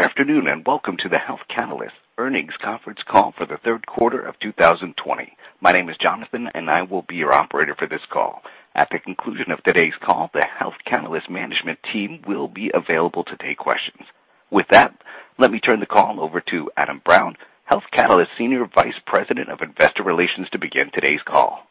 Good afternoon. Welcome to the Health Catalyst Earnings Conference Call for the Third Quarter of 2020. My name is Jonathan. I will be your operator for this call. At the conclusion of today's call, the Health Catalyst management team will be available to take questions. With that, let me turn the call over to Adam Brown, Health Catalyst Senior Vice President of Investor Relations, to begin today's call.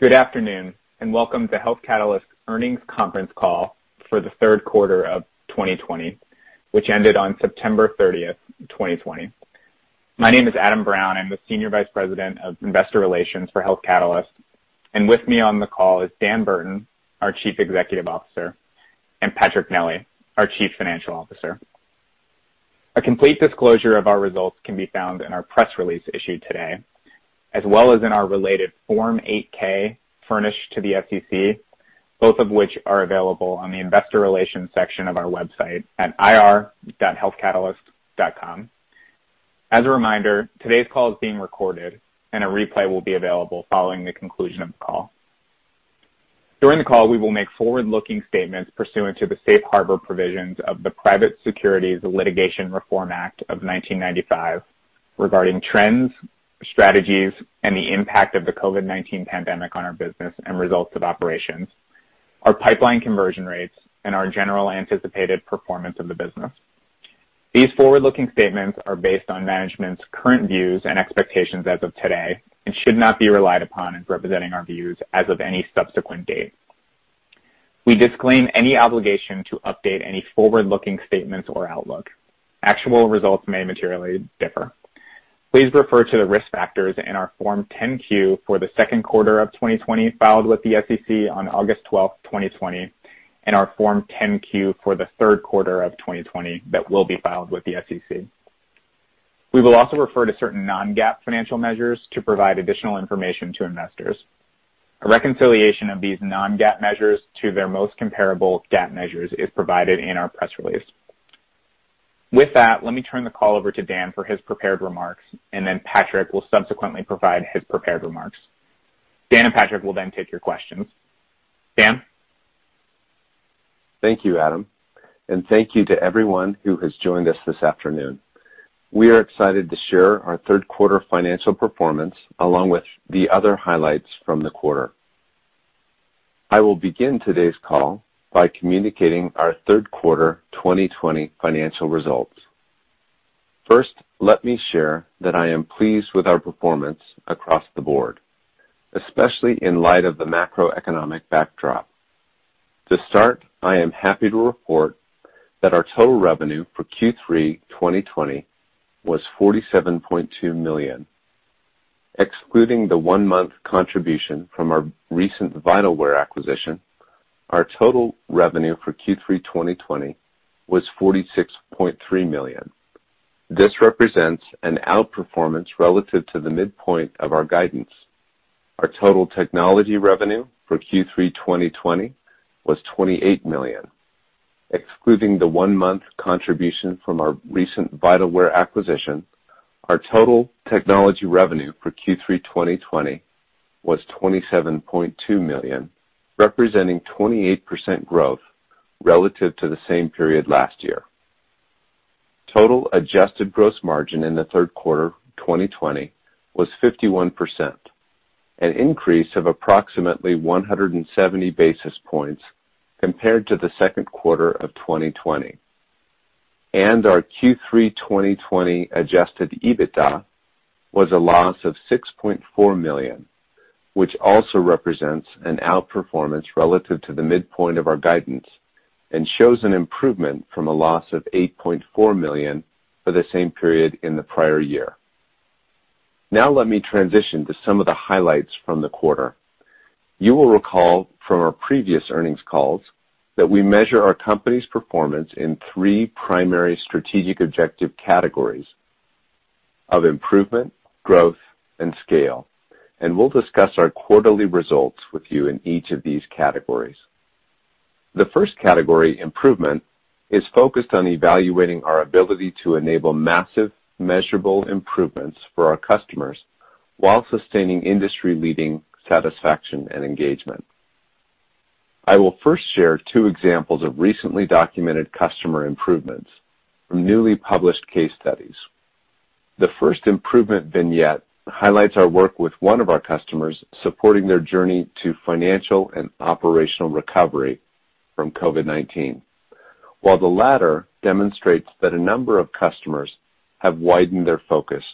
Good afternoon, and welcome to Health Catalyst's earnings conference call for the third quarter of 2020, which ended on September 30th, 2020. My name is Adam Brown. I'm the Senior Vice President of Investor Relations for Health Catalyst, and with me on the call is Dan Burton, our Chief Executive Officer, and Patrick Nelli, our Chief Financial Officer. A complete disclosure of our results can be found in our press release issued today, as well as in our related Form 8-K furnished to the SEC, both of which are available on the investor relations section of our website at ir.healthcatalyst.com. As a reminder, today's call is being recorded, and a replay will be available following the conclusion of the call. During the call, we will make forward-looking statements pursuant to the safe harbor provisions of the Private Securities Litigation Reform Act of 1995 regarding trends, strategies, and the impact of the COVID-19 pandemic on our business and results of operations, our pipeline conversion rates, and our general anticipated performance of the business. These forward-looking statements are based on management's current views and expectations as of today and should not be relied upon in representing our views as of any subsequent date. We disclaim any obligation to update any forward-looking statements or outlook. Actual results may materially differ. Please refer to the risk factors in our Form 10-Q for the second quarter of 2020, filed with the SEC on August 12th, 2020, and our Form 10-Q for the third quarter of 2020 that will be filed with the SEC. We will also refer to certain non-GAAP financial measures to provide additional information to investors. A reconciliation of these non-GAAP measures to their most comparable GAAP measures is provided in our press release. With that, let me turn the call over to Dan for his prepared remarks, and then Patrick will subsequently provide his prepared remarks. Dan and Patrick will then take your questions. Dan? Thank you, Adam, and thank you to everyone who has joined us this afternoon. We are excited to share our third quarter financial performance, along with the other highlights from the quarter. I will begin today's call by communicating our third quarter 2020 financial results. First, let me share that I am pleased with our performance across the board, especially in light of the macroeconomic backdrop. To start, I am happy to report that our total revenue for Q3 2020 was $47.2 million. Excluding the one-month contribution from our recent Vitalware acquisition, our total revenue for Q3 2020 was $46.3 million. This represents an outperformance relative to the midpoint of our guidance. Our total technology revenue for Q3 2020 was $28 million. Excluding the one-month contribution from our recent Vitalware acquisition, our total technology revenue for Q3 2020 was $27.2 million, representing 28% growth relative to the same period last year. Total adjusted gross margin in the third quarter 2020 was 51%, an increase of approximately 170 basis points compared to the second quarter of 2020. Our Q3 2020 Adjusted EBITDA was a loss of $6.4 million, which also represents an outperformance relative to the midpoint of our guidance and shows an improvement from a loss of $8.4 million for the same period in the prior year. Let me transition to some of the highlights from the quarter. You will recall from our previous earnings calls that we measure our company's performance in three primary strategic objective categories of improvement, growth, and scale, and we'll discuss our quarterly results with you in each of these categories. The first category, improvement, is focused on evaluating our ability to enable massive, measurable improvements for our customers while sustaining industry-leading satisfaction and engagement. I will first share two examples of recently documented customer improvements from newly published case studies. The first improvement vignette highlights our work with one of our customers supporting their journey to financial and operational recovery from COVID-19, while the latter demonstrates that a number of customers have widened their focus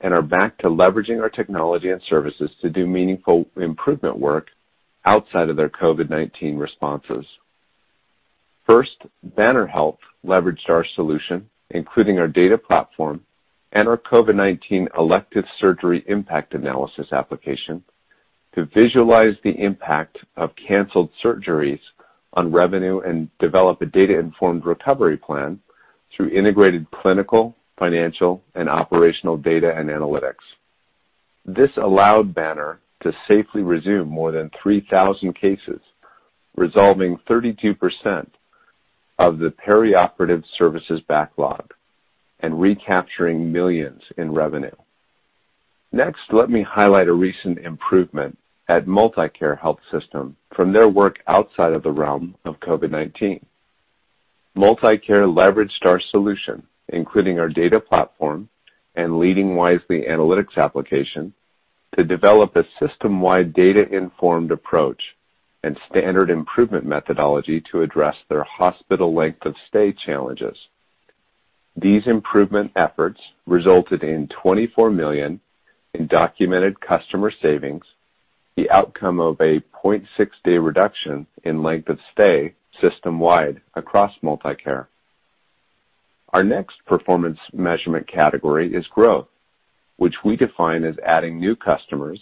and are back to leveraging our technology and services to do meaningful improvement work outside of their COVID-19 responses. First, Banner Health leveraged our solution, including our data platform and our COVID-19 Elective Surgery Impact Analysis application, to visualize the impact of canceled surgeries on revenue and develop a data-informed recovery plan through integrated clinical, financial, and operational data and analytics. This allowed Banner to safely resume more than 3,000 cases, resolving 32% of the perioperative services backlog and recapturing millions in revenue. Let me highlight a recent improvement at MultiCare Health System from their work outside of the realm of COVID-19. MultiCare leveraged our solution, including our data platform and Leading Wisely analytics application, to develop a system-wide data-informed approach and standard improvement methodology to address their hospital length of stay challenges. These improvement efforts resulted in $24 million in documented customer savings, the outcome of a 0.6-day reduction in length of stay system-wide across MultiCare. Our next performance measurement category is growth, which we define as adding new customers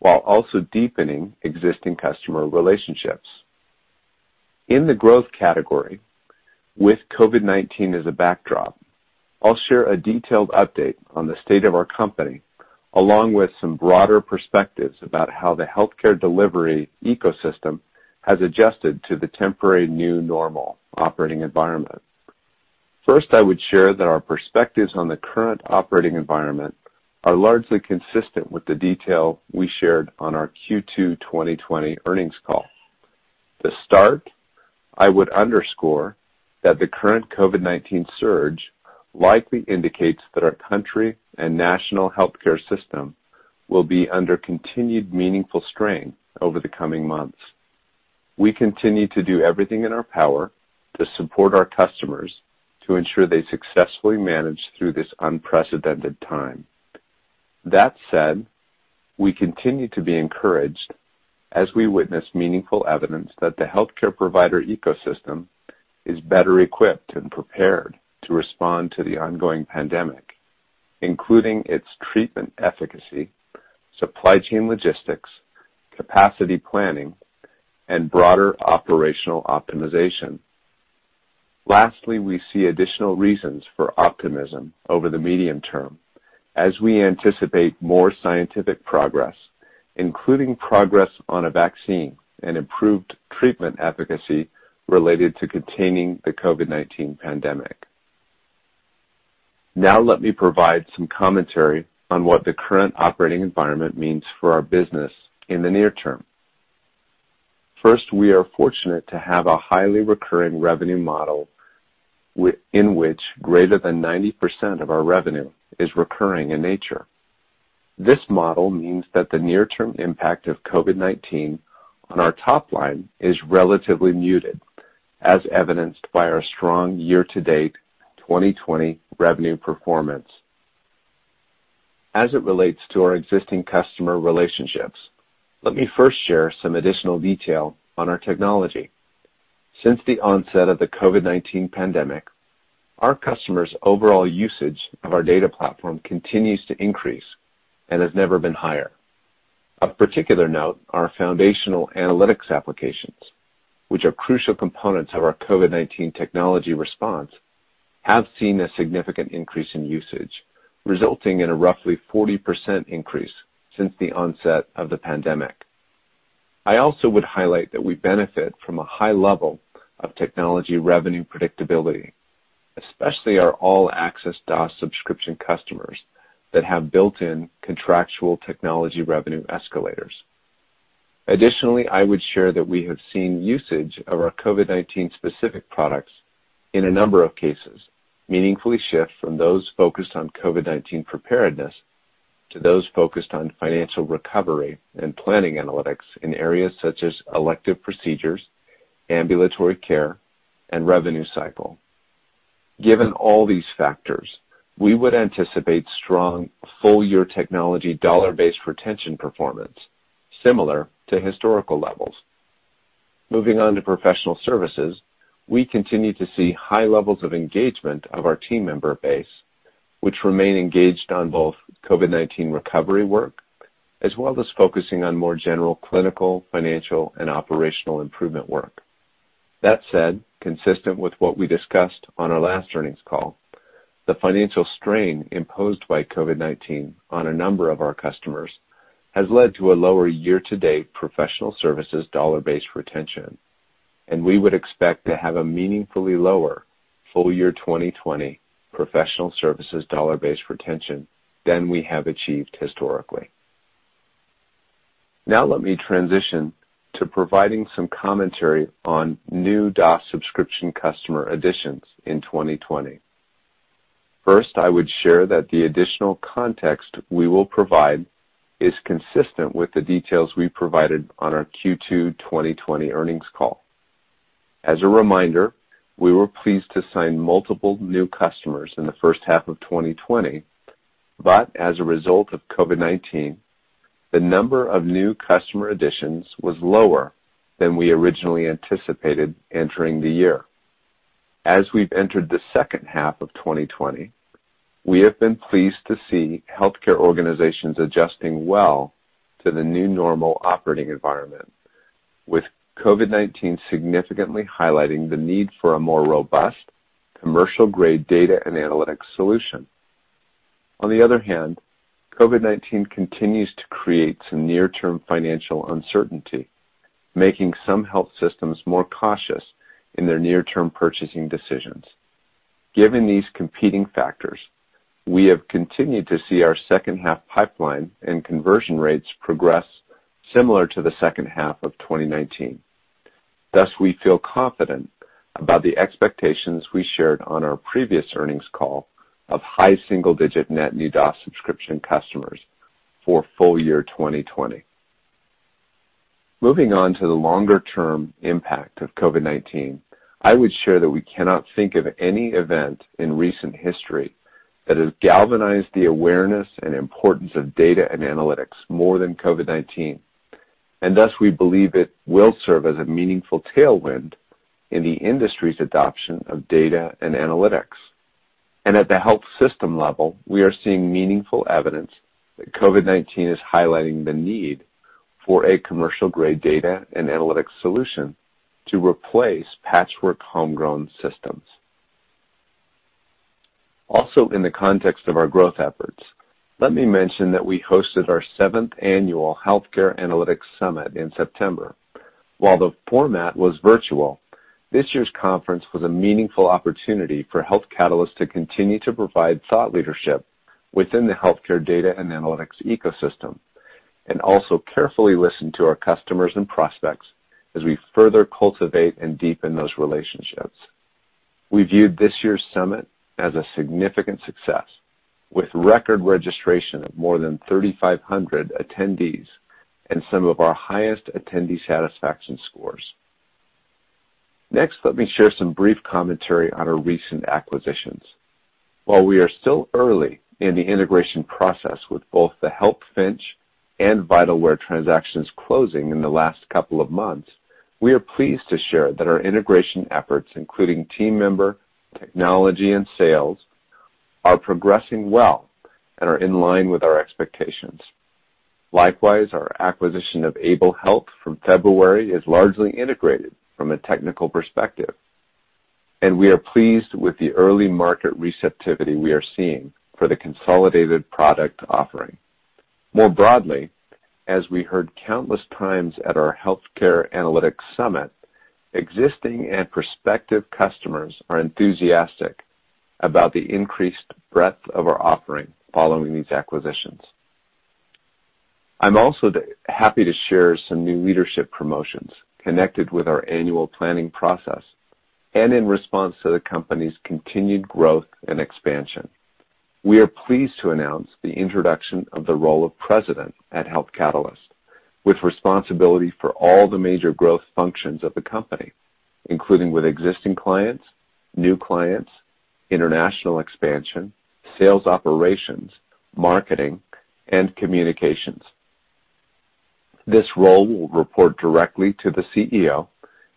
while also deepening existing customer relationships. In the growth category, with COVID-19 as a backdrop, I'll share a detailed update on the state of our company, along with some broader perspectives about how the healthcare delivery ecosystem has adjusted to the temporary new normal operating environment. I would share that our perspectives on the current operating environment are largely consistent with the detail we shared on our Q2 2020 earnings call. To start, I would underscore that the current COVID-19 surge likely indicates that our country and national healthcare system will be under continued meaningful strain over the coming months. We continue to do everything in our power to support our customers to ensure they successfully manage through this unprecedented time. That said, we continue to be encouraged as we witness meaningful evidence that the healthcare provider ecosystem is better equipped and prepared to respond to the ongoing pandemic, including its treatment efficacy, supply chain logistics, capacity planning, and broader operational optimization. Lastly, we see additional reasons for optimism over the medium term as we anticipate more scientific progress, including progress on a vaccine and improved treatment efficacy related to containing the COVID-19 pandemic. Now let me provide some commentary on what the current operating environment means for our business in the near term. First, we are fortunate to have a highly recurring revenue model in which greater than 90% of our revenue is recurring in nature. This model means that the near-term impact of COVID-19 on our top line is relatively muted, as evidenced by our strong year-to-date 2020 revenue performance. As it relates to our existing customer relationships, let me first share some additional detail on our technology. Since the onset of the COVID-19 pandemic, our customers' overall usage of our data platform continues to increase and has never been higher. Of particular note, our foundational analytics applications, which are crucial components of our COVID-19 technology response, have seen a significant increase in usage, resulting in a roughly 40% increase since the onset of the pandemic. I also would highlight that we benefit from a high level of technology revenue predictability, especially our all-access DOS subscription customers that have built-in contractual technology revenue escalators. I would share that we have seen usage of our COVID-19 specific products in a number of cases, meaningfully shift from those focused on COVID-19 preparedness to those focused on financial recovery and planning analytics in areas such as elective procedures, ambulatory care, and revenue cycle. Given all these factors, we would anticipate strong full-year technology dollar-based retention performance similar to historical levels. Moving on to professional services, we continue to see high levels of engagement of our team member base, which remain engaged on both COVID-19 recovery work, as well as focusing on more general clinical, financial and operational improvement work. That said, consistent with what we discussed on our last earnings call, the financial strain imposed by COVID-19 on a number of our customers has led to a lower year-to-date professional services dollar-based retention, and we would expect to have a meaningfully lower full year 2020 professional services dollar-based retention than we have achieved historically. Let me transition to providing some commentary on new DaaS subscription customer additions in 2020. First, I would share that the additional context we will provide is consistent with the details we provided on our Q2 2020 earnings call. As a reminder, we were pleased to sign multiple new customers in the first half of 2020, as a result of COVID-19, the number of new customer additions was lower than we originally anticipated entering the year. As we've entered the second half of 2020, we have been pleased to see healthcare organizations adjusting well to the new normal operating environment, with COVID-19 significantly highlighting the need for a more robust commercial-grade data and analytics solution. On the other hand, COVID-19 continues to create some near-term financial uncertainty, making some health systems more cautious in their near-term purchasing decisions. Given these competing factors, we have continued to see our second half pipeline and conversion rates progress similar to the second half of 2019. Thus, we feel confident about the expectations we shared on our previous earnings call of high single-digit net new DaaS subscription customers for full year 2020. Moving on to the longer-term impact of COVID-19, I would share that we cannot think of any event in recent history that has galvanized the awareness and importance of data and analytics more than COVID-19. Thus, we believe it will serve as a meaningful tailwind in the industry's adoption of data and analytics. At the health system level, we are seeing meaningful evidence that COVID-19 is highlighting the need for a commercial-grade data and analytics solution to replace patchwork homegrown systems. Also in the context of our growth efforts, let me mention that we hosted our 7th annual Healthcare Analytics Summit in September. While the format was virtual, this year's conference was a meaningful opportunity for Health Catalyst to continue to provide thought leadership within the healthcare data and analytics ecosystem, and also carefully listen to our customers and prospects as we further cultivate and deepen those relationships. We viewed this year's summit as a significant success. With record registration of more than 3,500 attendees and some of our highest attendee satisfaction scores. Next, let me share some brief commentary on our recent acquisitions. While we are still early in the integration process with both the Healthfinch and Vitalware transactions closing in the last couple of months, we are pleased to share that our integration efforts, including team member, technology, and sales, are progressing well and are in line with our expectations. Likewise, our acquisition of Able Health from February is largely integrated from a technical perspective, and we are pleased with the early market receptivity we are seeing for the consolidated product offering. More broadly, as we heard countless times at our Healthcare Analytics Summit, existing and prospective customers are enthusiastic about the increased breadth of our offering following these acquisitions. I'm also happy to share some new leadership promotions connected with our annual planning process and in response to the company's continued growth and expansion. We are pleased to announce the introduction of the role of President at Health Catalyst, with responsibility for all the major growth functions of the company, including with existing clients, new clients, international expansion, sales operations, marketing, and communications. This role will report directly to the CEO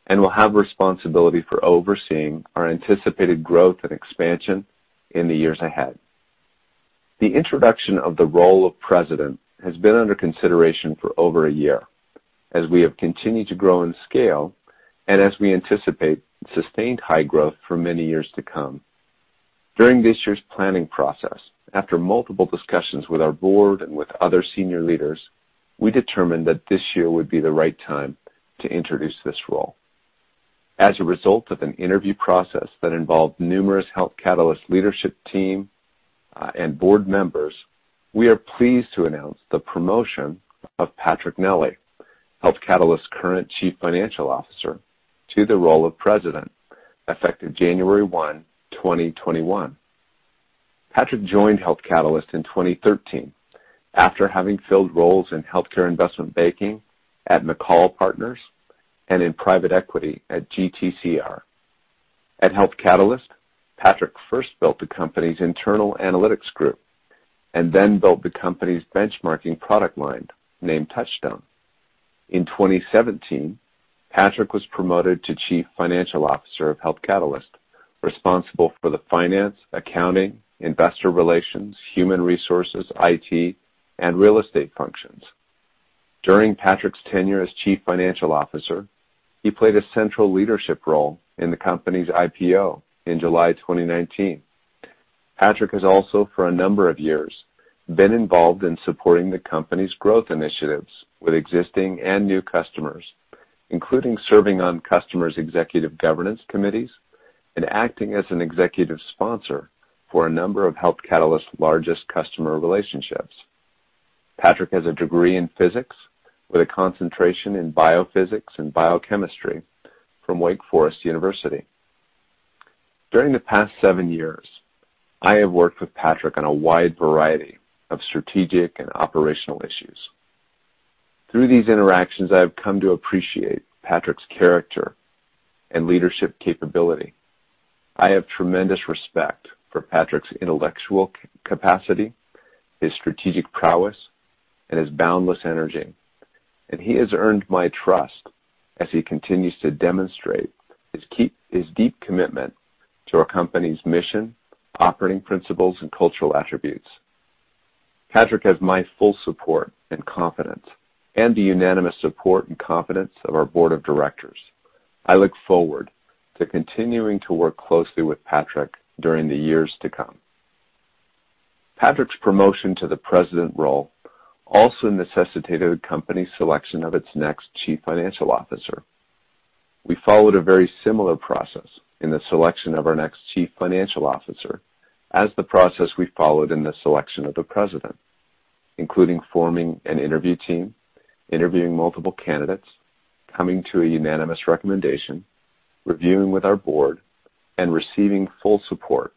and will have responsibility for overseeing our anticipated growth and expansion in the years ahead. The introduction of the role of President has been under consideration for over a year as we have continued to grow and scale and as we anticipate sustained high growth for many years to come. During this year's planning process, after multiple discussions with our board and with other senior leaders, we determined that this year would be the right time to introduce this role. As a result of an interview process that involved numerous Health Catalyst leadership team and board members, we are pleased to announce the promotion of Patrick Nelli, Health Catalyst's current chief financial officer, to the role of president effective January 1, 2021. Patrick joined Health Catalyst in 2013 after having filled roles in healthcare investment banking at McColl Partners and in private equity at GTCR. At Health Catalyst, Patrick first built the company's internal analytics group and then built the company's benchmarking product line, named Touchstone. In 2017, Patrick was promoted to chief financial officer of Health Catalyst, responsible for the finance, accounting, investor relations, human resources, IT, and real estate functions. During Patrick's tenure as chief financial officer, he played a central leadership role in the company's IPO in July 2019. Patrick has also, for a number of years, been involved in supporting the company's growth initiatives with existing and new customers, including serving on customers' executive governance committees and acting as an executive sponsor for a number of Health Catalyst's largest customer relationships. Patrick has a degree in physics with a concentration in biophysics and biochemistry from Wake Forest University. During the past seven years, I have worked with Patrick on a wide variety of strategic and operational issues. Through these interactions, I have come to appreciate Patrick's character and leadership capability. I have tremendous respect for Patrick's intellectual capacity, his strategic prowess, and his boundless energy. He has earned my trust as he continues to demonstrate his deep commitment to our company's mission, operating principles, and cultural attributes. Patrick has my full support and confidence and the unanimous support and confidence of our board of directors. I look forward to continuing to work closely with Patrick during the years to come. Patrick's promotion to the president role also necessitated the company's selection of its next chief financial officer. We followed a very similar process in the selection of our next chief financial officer as the process we followed in the selection of the president, including forming an interview team, interviewing multiple candidates, coming to a unanimous recommendation, reviewing with our Board, and receiving full support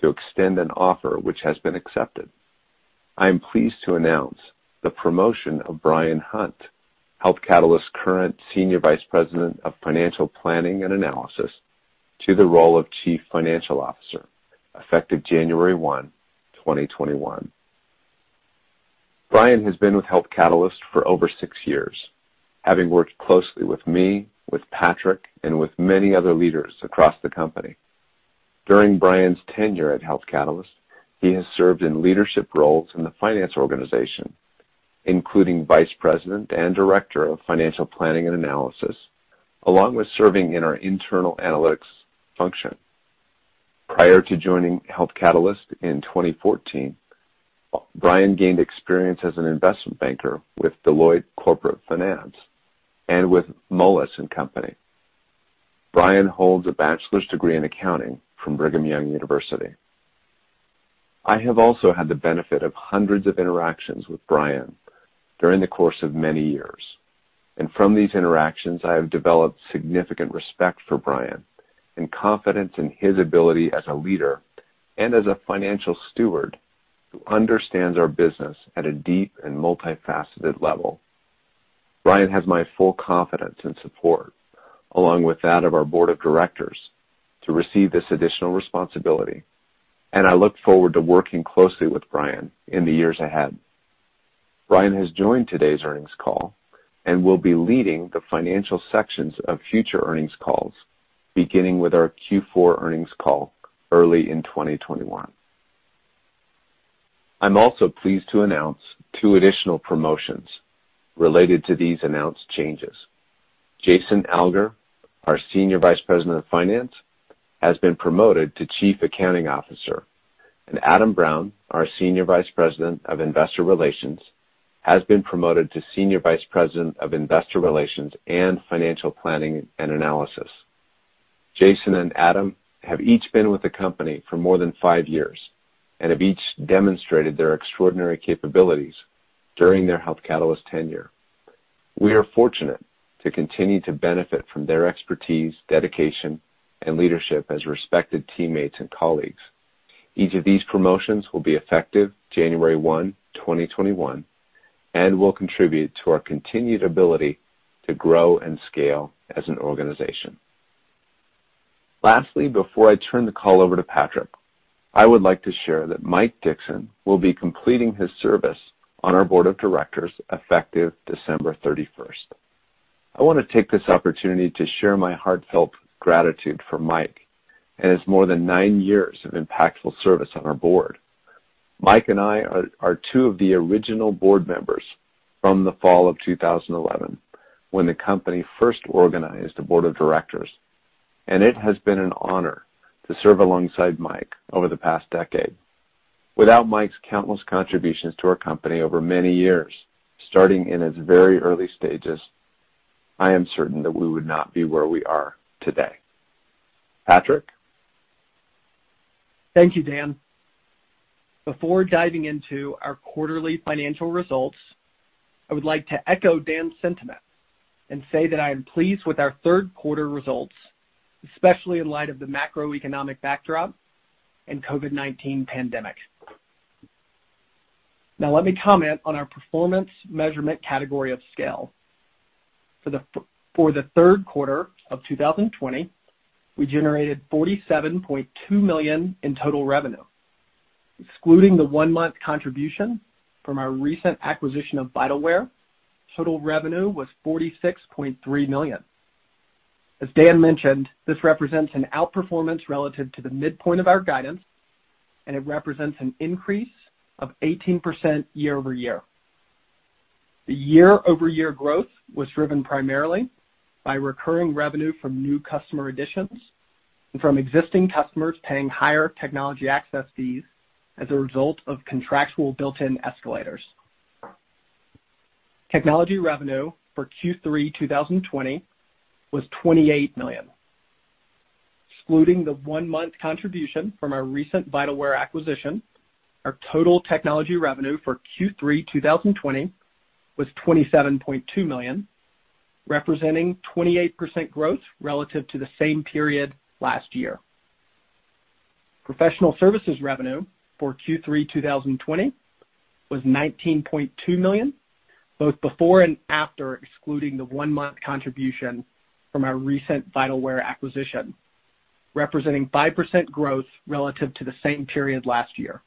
to extend an offer which has been accepted. I am pleased to announce the promotion of Bryan Hunt, Health Catalyst's current Senior Vice President of Financial Planning and Analysis, to the role of Chief Financial Officer, effective January one, 2021. Bryan has been with Health Catalyst for over six years, having worked closely with me, with Patrick, and with many other leaders across the company. During Bryan's tenure at Health Catalyst, he has served in leadership roles in the finance organization, including Vice President and Director of Financial Planning and Analysis, along with serving in our internal analytics function. Prior to joining Health Catalyst in 2014, Bryan gained experience as an investment banker with Deloitte Corporate Finance and with Moelis & Company. Bryan holds a bachelor's degree in accounting from Brigham Young University. I have also had the benefit of hundreds of interactions with Bryan during the course of many years, and from these interactions, I have developed significant respect for Bryan and confidence in his ability as a leader and as a financial steward who understands our business at a deep and multifaceted level. Bryan has my full confidence and support, along with that of our board of directors, to receive this additional responsibility, and I look forward to working closely with Bryan in the years ahead. Bryan has joined today's earnings call and will be leading the financial sections of future earnings calls, beginning with our Q4 earnings call early in 2021. I'm also pleased to announce two additional promotions related to these announced changes. Jason Alger, our Senior Vice President of Finance, has been promoted to Chief Accounting Officer, and Adam Brown, our Senior Vice President of Investor Relations, has been promoted to Senior Vice President of Investor Relations and Financial Planning and Analysis. Jason and Adam have each been with the company for more than five years and have each demonstrated their extraordinary capabilities during their Health Catalyst tenure. We are fortunate to continue to benefit from their expertise, dedication, and leadership as respected teammates and colleagues. Each of these promotions will be effective January one, 2021, will contribute to our continued ability to grow and scale as an organization. Lastly, before I turn the call over to Patrick, I would like to share that Mike Dixon will be completing his service on our board of directors effective December 31st. I want to take this opportunity to share my heartfelt gratitude for Mike and his more than nine years of impactful service on our board. Mike and I are two of the original board members from the fall of 2011 when the company first organized a board of directors, it has been an honor to serve alongside Mike over the past decade. Without Mike's countless contributions to our company over many years, starting in its very early stages, I am certain that we would not be where we are today. Patrick? Thank you, Dan. Before diving into our quarterly financial results, I would like to echo Dan's sentiment and say that I am pleased with our third quarter results, especially in light of the macroeconomic backdrop and COVID-19 pandemic. Let me comment on our performance measurement category of scale. For the third quarter of 2020, we generated $47.2 million in total revenue. Excluding the one-month contribution from our recent acquisition of Vitalware, total revenue was $46.3 million. As Dan mentioned, this represents an outperformance relative to the midpoint of our guidance, and it represents an increase of 18% year-over-year. The year-over-year growth was driven primarily by recurring revenue from new customer additions and from existing customers paying higher technology access fees as a result of contractual built-in escalators. Technology revenue for Q3 2020 was $28 million. Excluding the one-month contribution from our recent Vitalware acquisition, our total technology revenue for Q3 2020 was $27.2 million, representing 28% growth relative to the same period last year. Professional services revenue for Q3 2020 was $19.2 million, both before and after excluding the one-month contribution from our recent Vitalware acquisition, representing 5% growth relative to the same period last year.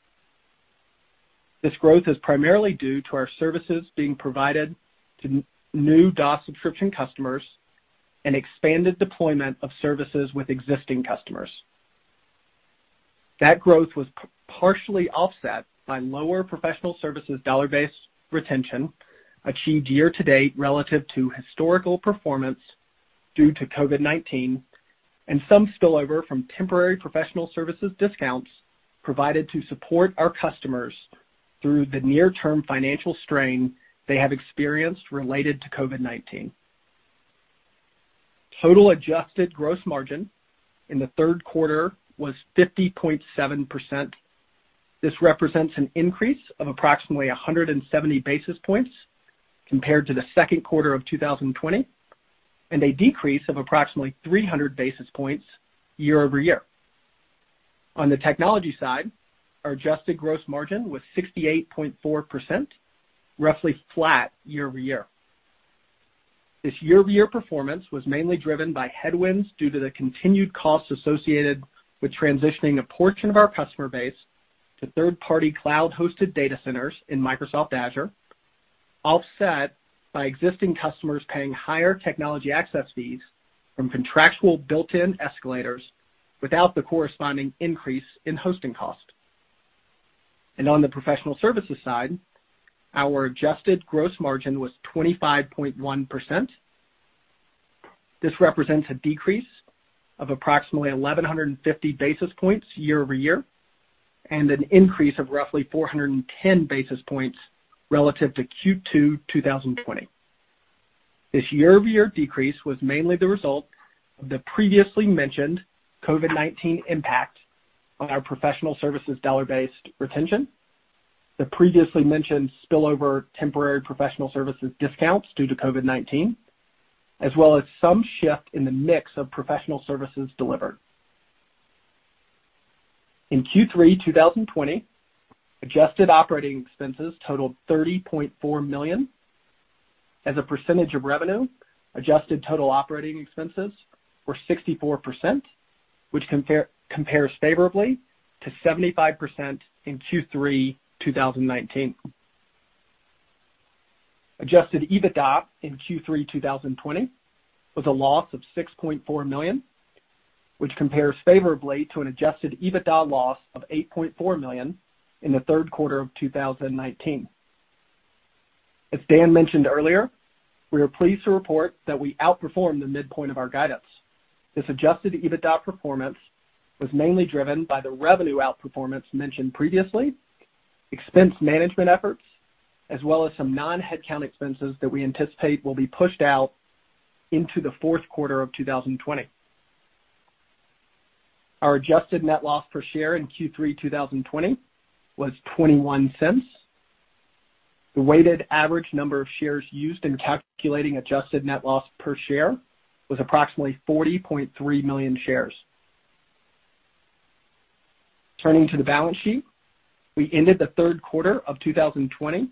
This growth is primarily due to our services being provided to new DaaS subscription customers and expanded deployment of services with existing customers. That growth was partially offset by lower professional services dollar-based retention achieved year-to-date relative to historical performance due to COVID-19, and some spillover from temporary professional services discounts provided to support our customers through the near-term financial strain they have experienced related to COVID-19. Total adjusted gross margin in the third quarter was 50.7%. This represents an increase of approximately 170 basis points compared to the second quarter of 2020, and a decrease of approximately 300 basis points year-over-year. On the technology side, our adjusted gross margin was 68.4%, roughly flat year-over-year. This year-over-year performance was mainly driven by headwinds due to the continued costs associated with transitioning a portion of our customer base to third-party cloud-hosted data centers in Microsoft Azure, offset by existing customers paying higher technology access fees from contractual built-in escalators without the corresponding increase in hosting cost. On the professional services side, our adjusted gross margin was 25.1%. This represents a decrease of approximately 1,150 basis points year-over-year, and an increase of roughly 410 basis points relative to Q2 2020. This year-over-year decrease was mainly the result of the previously mentioned COVID-19 impact on our professional services dollar-based retention, the previously mentioned spillover temporary professional services discounts due to COVID-19, as well as some shift in the mix of professional services delivered. In Q3 2020, adjusted operating expenses totaled $30.4 million. As a percentage of revenue, adjusted total operating expenses were 64%, which compares favorably to 75% in Q3 2019. Adjusted EBITDA in Q3 2020 was a loss of $6.4 million, which compares favorably to an Adjusted EBITDA loss of $8.4 million in the third quarter of 2019. As Dan mentioned earlier, we are pleased to report that we outperformed the midpoint of our guidance. This Adjusted EBITDA performance was mainly driven by the revenue outperformance mentioned previously, expense management efforts, as well as some non-headcount expenses that we anticipate will be pushed out into the fourth quarter of 2020. Our adjusted net loss per share in Q3 2020 was $0.21. The weighted average number of shares used in calculating adjusted net loss per share was approximately 40.3 million shares. Turning to the balance sheet. We ended the third quarter of 2020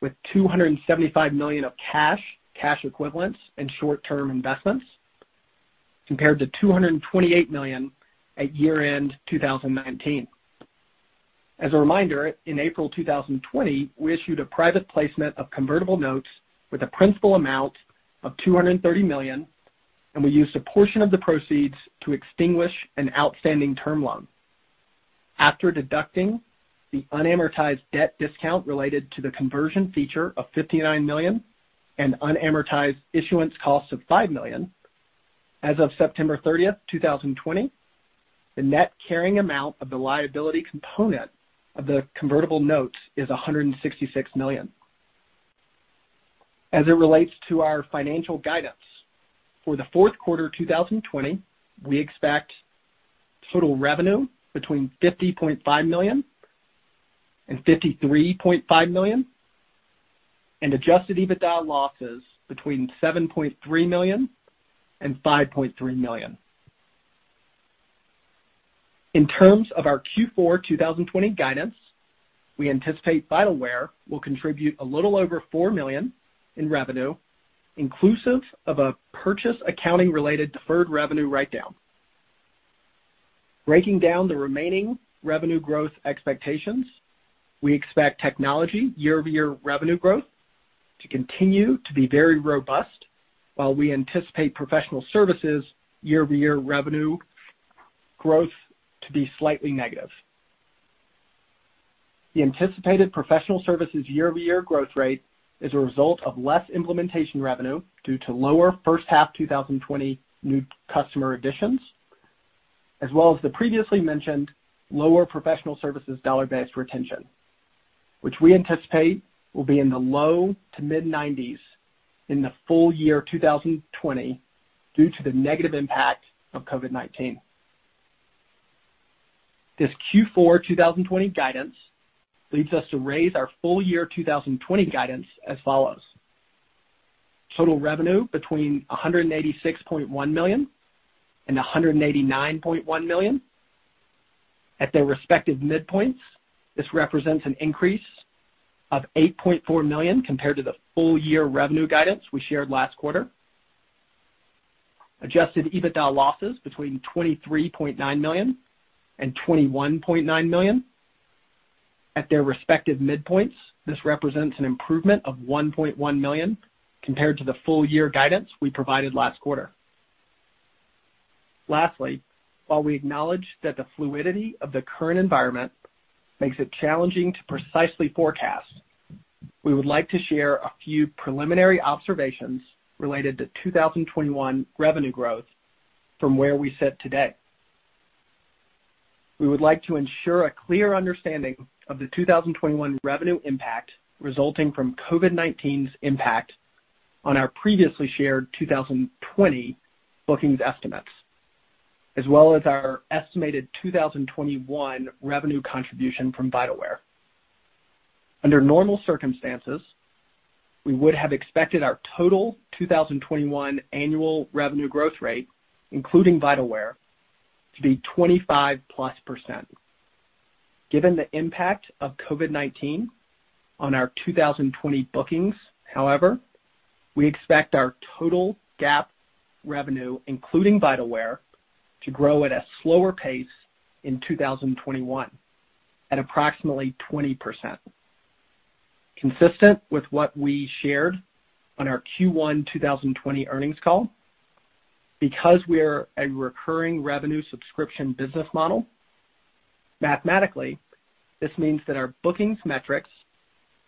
with $275 million of cash equivalents, and short-term investments, compared to $228 million at year-end 2019. As a reminder, in April 2020, we issued a private placement of convertible notes with a principal amount of $230 million, and we used a portion of the proceeds to extinguish an outstanding term loan. After deducting the unamortized debt discount related to the conversion feature of $59 million and unamortized issuance costs of $5 million, as of September 30th, 2020, the net carrying amount of the liability component of the convertible notes is $166 million. As it relates to our financial guidance, for the fourth quarter 2020, we expect total revenue between $50.5 million and $53.5 million, and Adjusted EBITDA losses between $7.3 million and $5.3 million. In terms of our Q4 2020 guidance, we anticipate Vitalware will contribute a little over $4 million in revenue, inclusive of a purchase accounting related deferred revenue writedown. Breaking down the remaining revenue growth expectations, we expect technology year-over-year revenue growth to continue to be very robust, while we anticipate professional services year-over-year revenue growth to be slightly negative. The anticipated professional services year-over-year growth rate is a result of less implementation revenue due to lower first half 2020 new customer additions, as well as the previously mentioned lower professional services dollar-based retention, which we anticipate will be in the low to mid-90s in the full year 2020 due to the negative impact of COVID-19. This Q4 2020 guidance leads us to raise our full year 2020 guidance as follows. Total revenue between $186.1 million and $189.1 million. At their respective midpoints, this represents an increase of $8.4 million compared to the full year revenue guidance we shared last quarter. Adjusted EBITDA losses between $23.9 million and $21.9 million. At their respective midpoints, this represents an improvement of $1.1 million compared to the full year guidance we provided last quarter. Lastly, while we acknowledge that the fluidity of the current environment makes it challenging to precisely forecast, we would like to share a few preliminary observations related to 2021 revenue growth from where we sit today. We would like to ensure a clear understanding of the 2021 revenue impact resulting from COVID-19's impact on our previously shared 2020 bookings estimates, as well as our estimated 2021 revenue contribution from Vitalware. Under normal circumstances, we would have expected our total 2021 annual revenue growth rate, including Vitalware, to be 25+%. Given the impact of COVID-19 on our 2020 bookings, however, we expect our total GAAP revenue, including Vitalware, to grow at a slower pace in 2021 at approximately 20%. Consistent with what we shared on our Q1 2020 earnings call, because we're a recurring revenue subscription business model, mathematically, this means that our bookings metrics,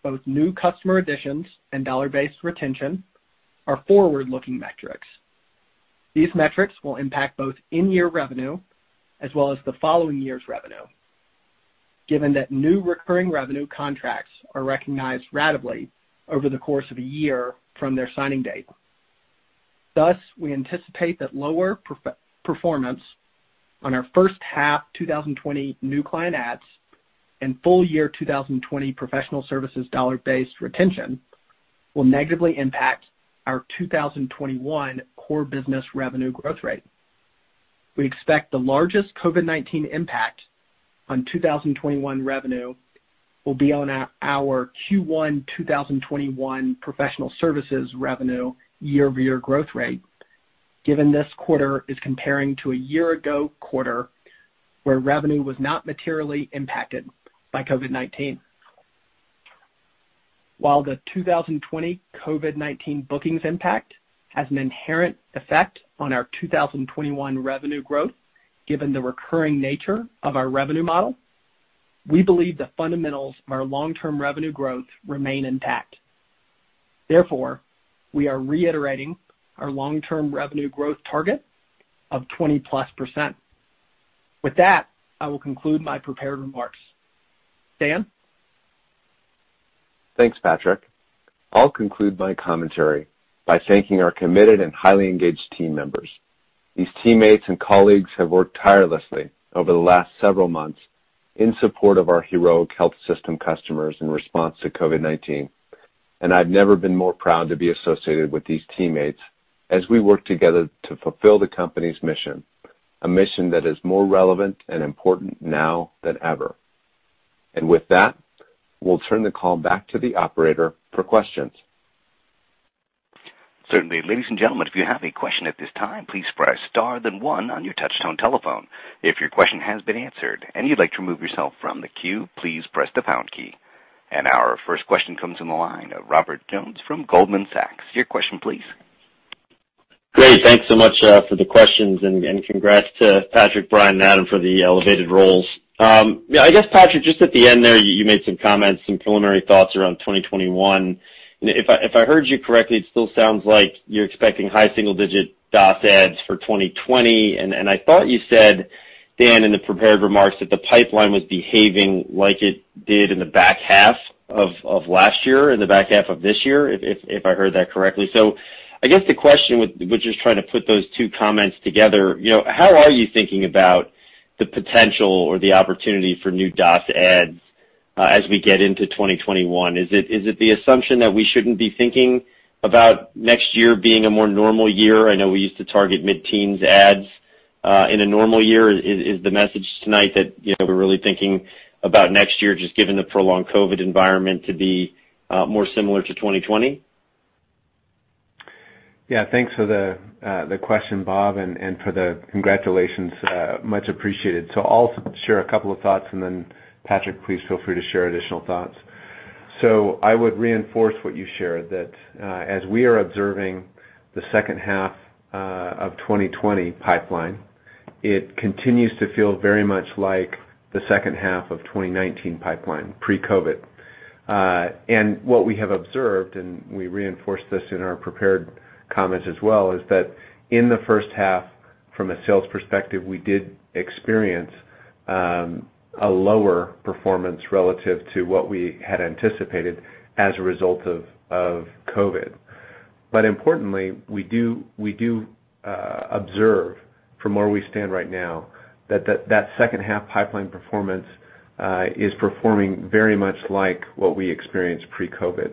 both new customer additions and dollar-based retention, are forward-looking metrics. These metrics will impact both in-year revenue as well as the following year's revenue, given that new recurring revenue contracts are recognized ratably over the course of a year from their signing date. Thus, we anticipate that lower performance on our first half 2020 new client adds and full year 2020 professional services dollar-based retention will negatively impact our 2021 core business revenue growth rate. We expect the largest COVID-19 impact on 2021 revenue will be on our Q1 2021 professional services revenue year-over-year growth rate, given this quarter is comparing to a year-ago quarter where revenue was not materially impacted by COVID-19. While the 2020 COVID-19 bookings impact has an inherent effect on our 2021 revenue growth, given the recurring nature of our revenue model, we believe the fundamentals of our long-term revenue growth remain intact. Therefore, we are reiterating our long-term revenue growth target of 20+%. With that, I will conclude my prepared remarks. Dan? Thanks, Patrick. I'll conclude my commentary by thanking our committed and highly engaged team members. These teammates and colleagues have worked tirelessly over the last several months in support of our heroic health system customers in response to COVID-19. I've never been more proud to be associated with these teammates as we work together to fulfill the company's mission, a mission that is more relevant and important now than ever. With that, we'll turn the call back to the operator for questions. Certainly. Ladies and gentlemen, if you have a question at this time, please press star then one on your touchtone telephone. If your question has been answered and you'd like to remove yourself from the queue, please press the pound key. Our first question comes from the line of Robert Jones from Goldman Sachs. Your question please. Great. Thanks so much for the questions, and congrats to Patrick, Bryan, and Adam for the elevated roles. I guess, Patrick, just at the end there, you made some comments, some preliminary thoughts around 2021. If I heard you correctly, it still sounds like you're expecting high single-digit DOS adds for 2020. I thought you said, Dan, in the prepared remarks that the pipeline was behaving like it did in the back half of last year, in the back half of this year, if I heard that correctly. I guess the question with just trying to put those two comments together, how are you thinking about the potential or the opportunity for new DOS adds as we get into 2021? Is it the assumption that we shouldn't be thinking about next year being a more normal year? I know we used to target mid-teens adds in a normal year. Is the message tonight that we're really thinking about next year, just given the prolonged COVID environment, to be more similar to 2020? Yeah, thanks for the question, Bob, and for the congratulations, much appreciated. I'll share a couple of thoughts, and then Patrick, please feel free to share additional thoughts. I would reinforce what you shared, that as we are observing the second half of 2020 pipeline, it continues to feel very much like the second half of 2019 pipeline pre-COVID. What we have observed, and we reinforced this in our prepared comments as well, is that in the first half, from a sales perspective, we did experience a lower performance relative to what we had anticipated as a result of COVID. Importantly, we do observe from where we stand right now that second half pipeline performance is performing very much like what we experienced pre-COVID.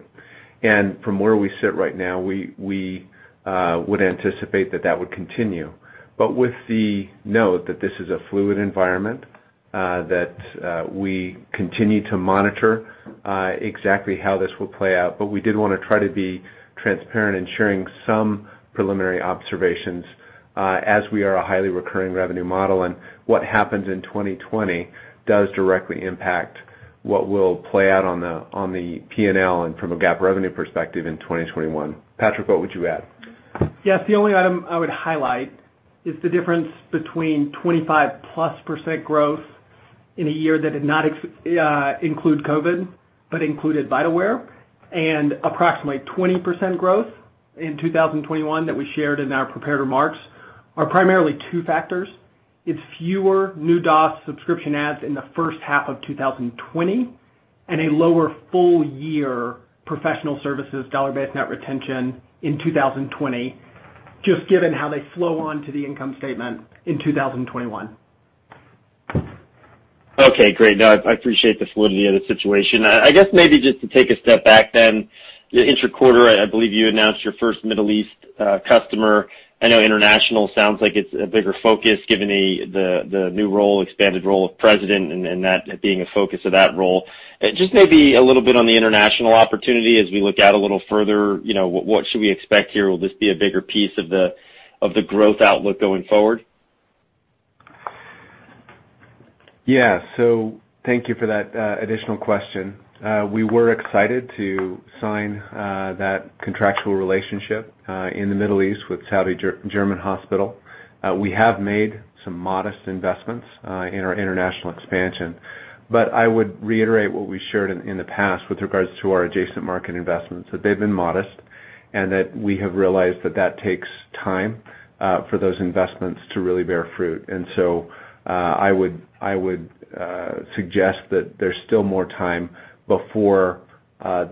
From where we sit right now, we would anticipate that that would continue. With the note that this is a fluid environment. That we continue to monitor exactly how this will play out, but we did want to try to be transparent in sharing some preliminary observations, as we are a highly recurring revenue model, and what happens in 2020 does directly impact what will play out on the P&L and from a GAAP revenue perspective in 2021. Patrick, what would you add? Yes, the only item I would highlight is the difference between 25%+ growth in a year that did not include COVID-19, but included Vitalware, and approximately 20% growth in 2021 that we shared in our prepared remarks are primarily two factors. It's fewer new DOS subscription adds in the first half of 2020, and a lower full year professional services dollar-based net retention in 2020, just given how they flow onto the income statement in 2021. Okay, great. No, I appreciate the fluidity of the situation. I guess maybe just to take a step back, inter-quarter, I believe you announced your first Middle East customer. I know international sounds like it's a bigger focus given the new role, expanded role of president and that being a focus of that role. Just maybe a little bit on the international opportunity as we look out a little further, what should we expect here? Will this be a bigger piece of the growth outlook going forward? Yeah. Thank you for that additional question. We were excited to sign that contractual relationship in the Middle East with Saudi German Hospital. We have made some modest investments in our international expansion, but I would reiterate what we shared in the past with regards to our adjacent market investments, that they've been modest and that we have realized that takes time for those investments to really bear fruit. I would suggest that there's still more time before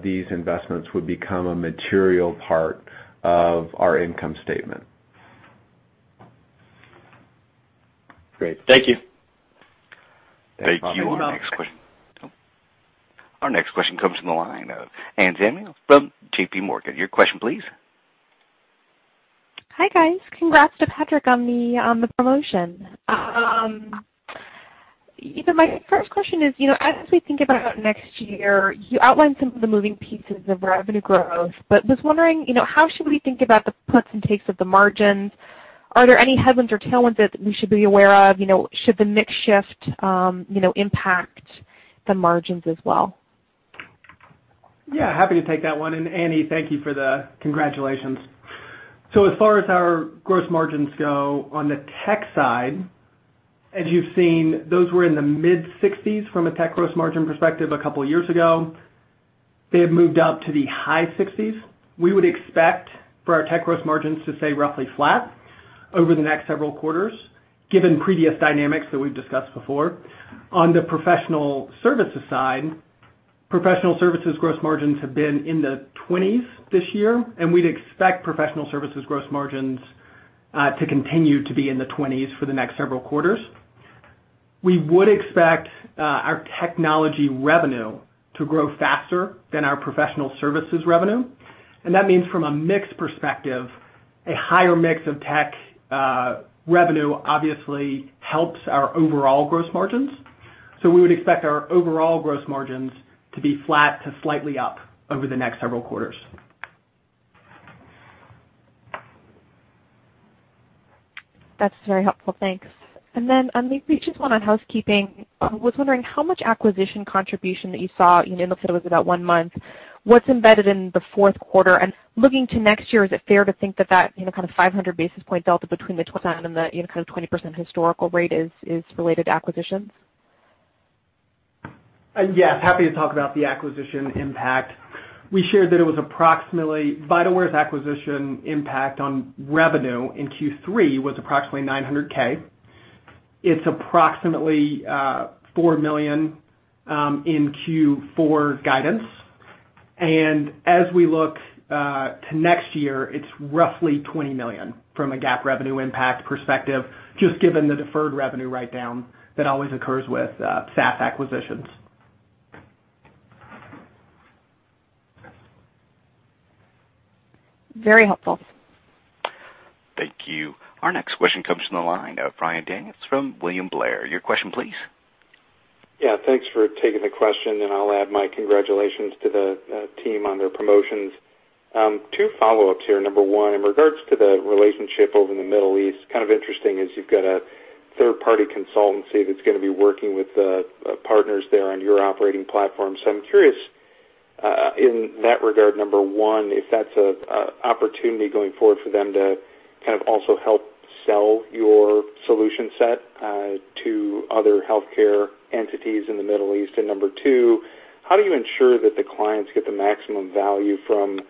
these investments would become a material part of our income statement. Great. Thank you. Thank you. Thank you. Our next question comes from the line of Anne Samuel from JPMorgan. Your question, please. Hi, guys. Congrats to Patrick on the promotion. My first question is, as we think about next year, you outlined some of the moving pieces of revenue growth, but was wondering, how should we think about the puts and takes of the margins? Are there any headwinds or tailwinds that we should be aware of? Should the mix shift impact the margins as well? Yeah, happy to take that one. Anne, thank you for the congratulations. As far as our gross margins go on the tech side, as you've seen, those were in the mid-60s from a tech gross margin perspective a couple of years ago. They have moved up to the high 60s. We would expect for our tech gross margins to stay roughly flat over the next several quarters, given previous dynamics that we've discussed before. On the professional services side, professional services gross margins have been in the 20s this year, we'd expect professional services gross margins to continue to be in the 20s for the next several quarters. We would expect our technology revenue to grow faster than our professional services revenue. That means from a mix perspective, a higher mix of tech revenue obviously helps our overall gross margins. We would expect our overall gross margins to be flat to slightly up over the next several quarters. That's very helpful. Thanks. Maybe just one on housekeeping. I was wondering how much acquisition contribution that you saw, you indicated it was about one month. What's embedded in the fourth quarter? Looking to next year, is it fair to think that kind of 500 basis point delta between the 20% and the kind of 20% historical rate is related to acquisitions? Yes, happy to talk about the acquisition impact. We shared that Vitalware's acquisition impact on revenue in Q3 was approximately $900,000. It's approximately $4 million in Q4 guidance. As we look to next year, it's roughly $20 million from a GAAP revenue impact perspective, just given the deferred revenue write-down that always occurs with SaaS acquisitions. Very helpful. Thank you. Our next question comes from the line of Ryan Daniels from William Blair. Your question please. Yeah, thanks for taking the question, and I'll add my congratulations to the team on their promotions. Two follow-ups here. Number one, in regards to the relationship over in the Middle East, kind of interesting is you've got a third-party consultancy that's going to be working with partners there on your operating platform. I'm curious in that regard, number one, if that's an opportunity going forward for them to kind of also help sell your solution set to other healthcare entities in the Middle East. Number two, how do you ensure that the clients get the maximum value from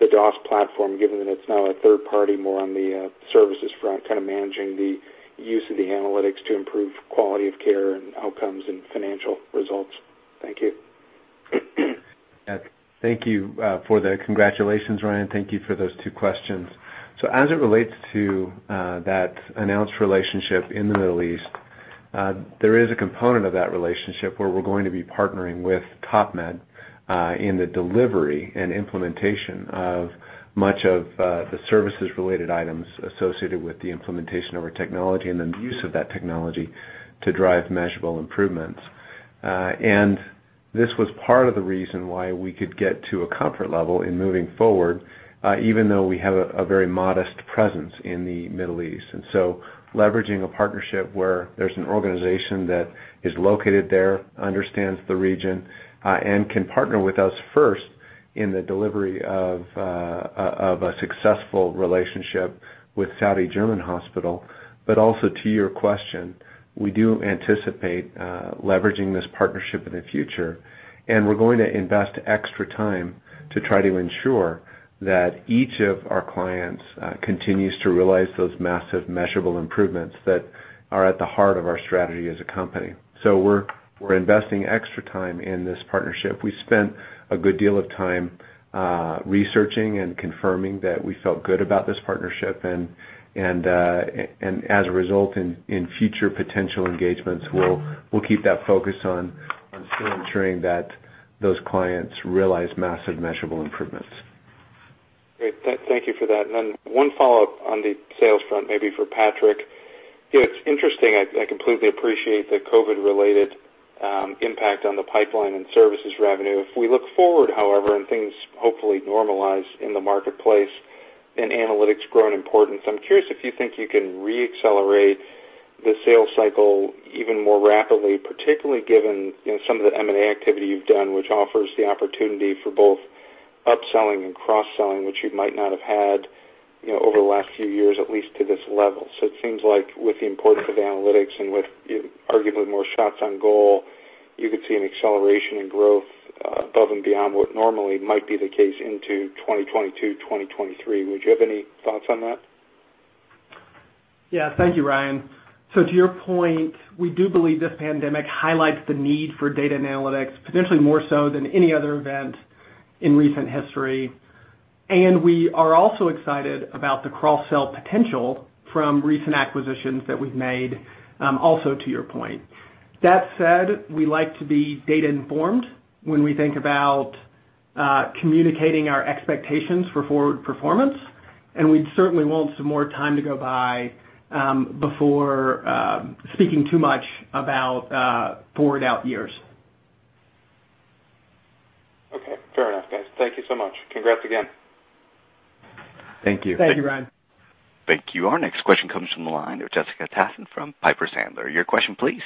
the DOS platform, given that it's now a third party more on the services front, kind of managing the use of the analytics to improve quality of care and outcomes and financial results? Thank you. Thank you for the congratulations, Ryan. Thank you for those two questions. As it relates to that announced relationship in the Middle East, there is a component of that relationship where we're going to be partnering with Topmed in the delivery and implementation of much of the services-related items associated with the implementation of our technology and then the use of that technology to drive measurable improvements. This was part of the reason why we could get to a comfort level in moving forward, even though we have a very modest presence in the Middle East. Leveraging a partnership where there's an organization that is located there, understands the region, and can partner with us first in the delivery of a successful relationship with Saudi German Hospital, but also to your question, we do anticipate leveraging this partnership in the future. And we're going to invest extra time to try to ensure that each of our clients continues to realize those massive measurable improvements that are at the heart of our strategy as a company. We're investing extra time in this partnership. We spent a good deal of time researching and confirming that we felt good about this partnership. As a result, in future potential engagements, we'll keep that focus on still ensuring that those clients realize massive measurable improvements. Great. Thank you for that. Then one follow-up on the sales front, maybe for Patrick. It's interesting. I completely appreciate the COVID-19-related impact on the pipeline and services revenue. If we look forward, however, and things hopefully normalize in the marketplace and analytics grow in importance. I'm curious if you think you can re-accelerate the sales cycle even more rapidly, particularly given some of the M&A activity you've done, which offers the opportunity for both upselling and cross-selling, which you might not have had over the last few years, at least to this level. It seems like with the importance of analytics and with arguably more shots on goal, you could see an acceleration in growth above and beyond what normally might be the case into 2022, 2023. Would you have any thoughts on that? Yeah. Thank you, Ryan. To your point, we do believe this pandemic highlights the need for data analytics, potentially more so than any other event in recent history, and we are also excited about the cross-sell potential from recent acquisitions that we've made, also to your point. That said, we like to be data-informed when we think about communicating our expectations for forward performance, and we'd certainly want some more time to go by before speaking too much about forward out years. Okay, fair enough, guys. Thank you so much. Congrats again. Thank you. Thank you, Ryan. Thank you. Our next question comes from the line of Jessica Tassan from Piper Sandler. Your question please.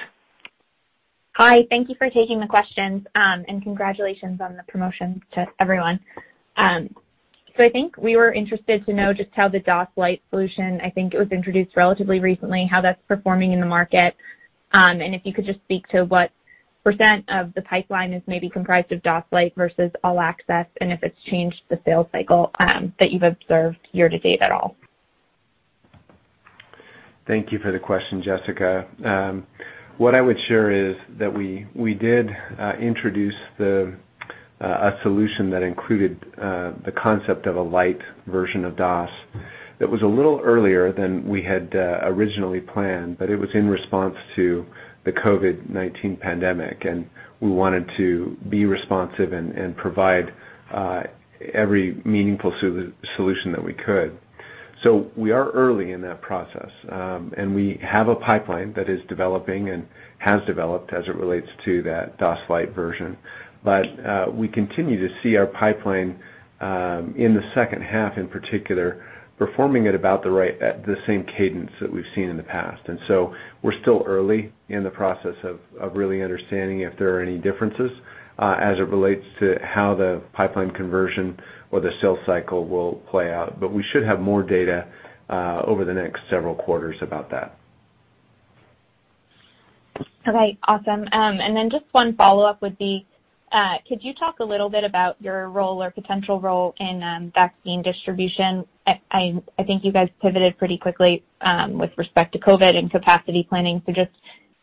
Hi. Thank you for taking the questions, and congratulations on the promotion to everyone. I think we were interested to know just how the DOS Lite solution, I think it was introduced relatively recently, how that's performing in the market. If you could just speak to what % of the pipeline is maybe comprised of DOS Lite versus All Access, and if it's changed the sales cycle that you've observed year-to-date at all. Thank you for the question, Jessica. What I would share is that we did introduce a solution that included the concept of a light version of DOS that was a little earlier than we had originally planned, but it was in response to the COVID-19 pandemic, and we wanted to be responsive and provide every meaningful solution that we could. We are early in that process. We have a pipeline that is developing and has developed as it relates to that DOS Light version. We continue to see our pipeline, in the second half in particular, performing at about the same cadence that we've seen in the past. We're still early in the process of really understanding if there are any differences as it relates to how the pipeline conversion or the sales cycle will play out. We should have more data over the next several quarters about that. All right, awesome. Just one follow-up would be, could you talk a little bit about your role or potential role in vaccine distribution? I think you guys pivoted pretty quickly with respect to COVID and capacity planning. Just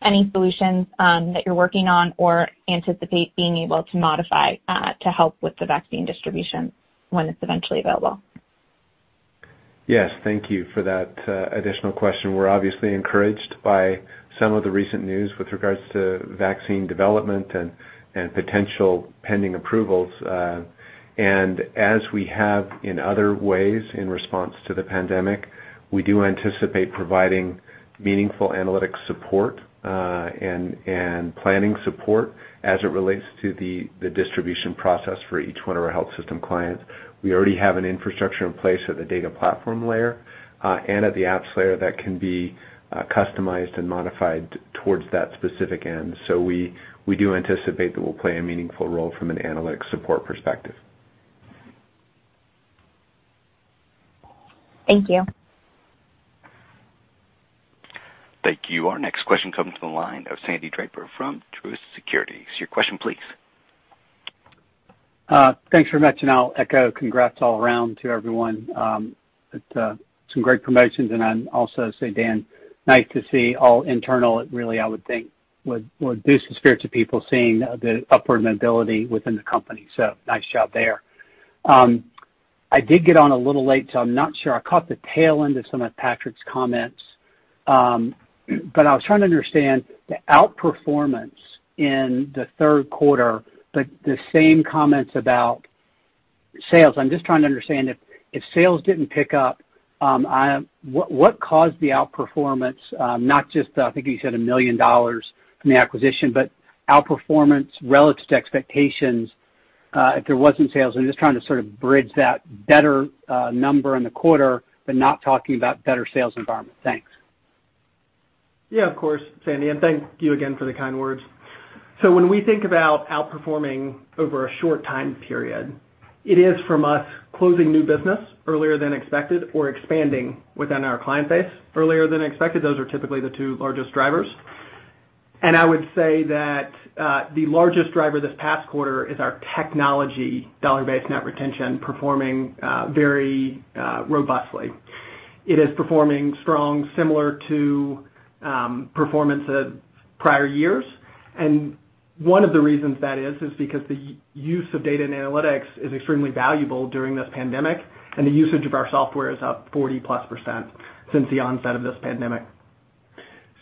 any solutions that you're working on or anticipate being able to modify to help with the vaccine distribution when it's eventually available. Yes. Thank you for that additional question. We're obviously encouraged by some of the recent news with regards to vaccine development and potential pending approvals. As we have in other ways in response to the pandemic, we do anticipate providing meaningful analytic support and planning support as it relates to the distribution process for each one of our health system clients. We already have an infrastructure in place at the data platform layer and at the apps layer that can be customized and modified towards that specific end. We do anticipate that we'll play a meaningful role from an analytics support perspective. Thank you. Thank you. Our next question comes from the line of Sandy Draper from Truist Securities. Your question please. Thanks very much. I'll echo congrats all around to everyone. Some great promotions. I'll also say, Dan, nice to see all internal. It really, I would think would boost the spirits of people seeing the upward mobility within the company. Nice job there. I did get on a little late, so I'm not sure. I caught the tail end of some of Patrick's comments. I was trying to understand the outperformance in the third quarter, but the same comments about sales. I'm just trying to understand if sales didn't pick up, what caused the outperformance, not just, I think you said $1 million from the acquisition, but outperformance relative to expectations, if there wasn't sales? I'm just trying to sort of bridge that better number in the quarter, but not talking about better sales environment. Thanks. Of course, Sandy, thank you again for the kind words. When we think about outperforming over a short time period, it is from us closing new business earlier than expected or expanding within our client base earlier than expected. Those are typically the two largest drivers. I would say that, the largest driver this past quarter is our technology dollar-based net retention performing very robustly. It is performing strong, similar to performance at prior years. One of the reasons that is because the use of data and analytics is extremely valuable during this pandemic, and the usage of our software is up 40+% since the onset of this pandemic.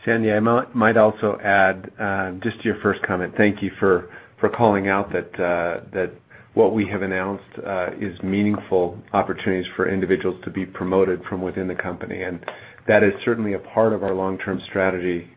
Sandy, I might also add, just to your first comment, thank you for calling out that what we have announced is meaningful opportunities for individuals to be promoted from within the company. That is certainly a part of our long-term strategy,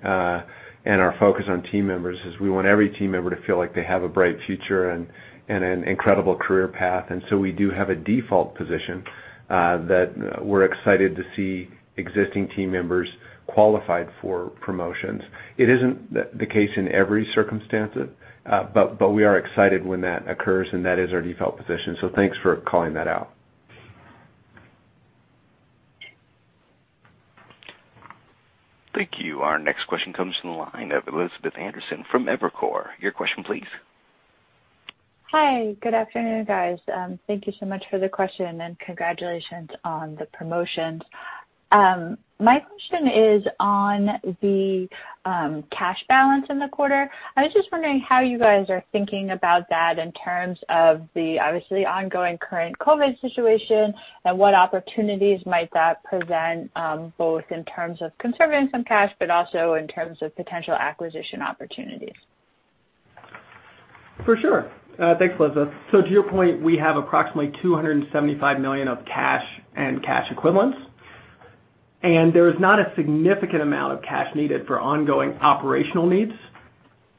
and our focus on team members, is we want every team member to feel like they have a bright future and an incredible career path. We do have a default position, that we're excited to see existing team members qualified for promotions. It isn't the case in every circumstance, but we are excited when that occurs, and that is our default position, so thanks for calling that out. Thank you. Our next question comes from the line of Elizabeth Anderson from Evercore. Your question please. Hi, good afternoon, guys. Thank you so much for the question, and congratulations on the promotions. My question is on the cash balance in the quarter. I was just wondering how you guys are thinking about that in terms of the, obviously, ongoing current COVID-19 situation, and what opportunities might that present, both in terms of conserving some cash, but also in terms of potential acquisition opportunities. For sure. Thanks, Elizabeth. To your point, we have approximately $275 million of cash and cash equivalents, and there is not a significant amount of cash needed for ongoing operational needs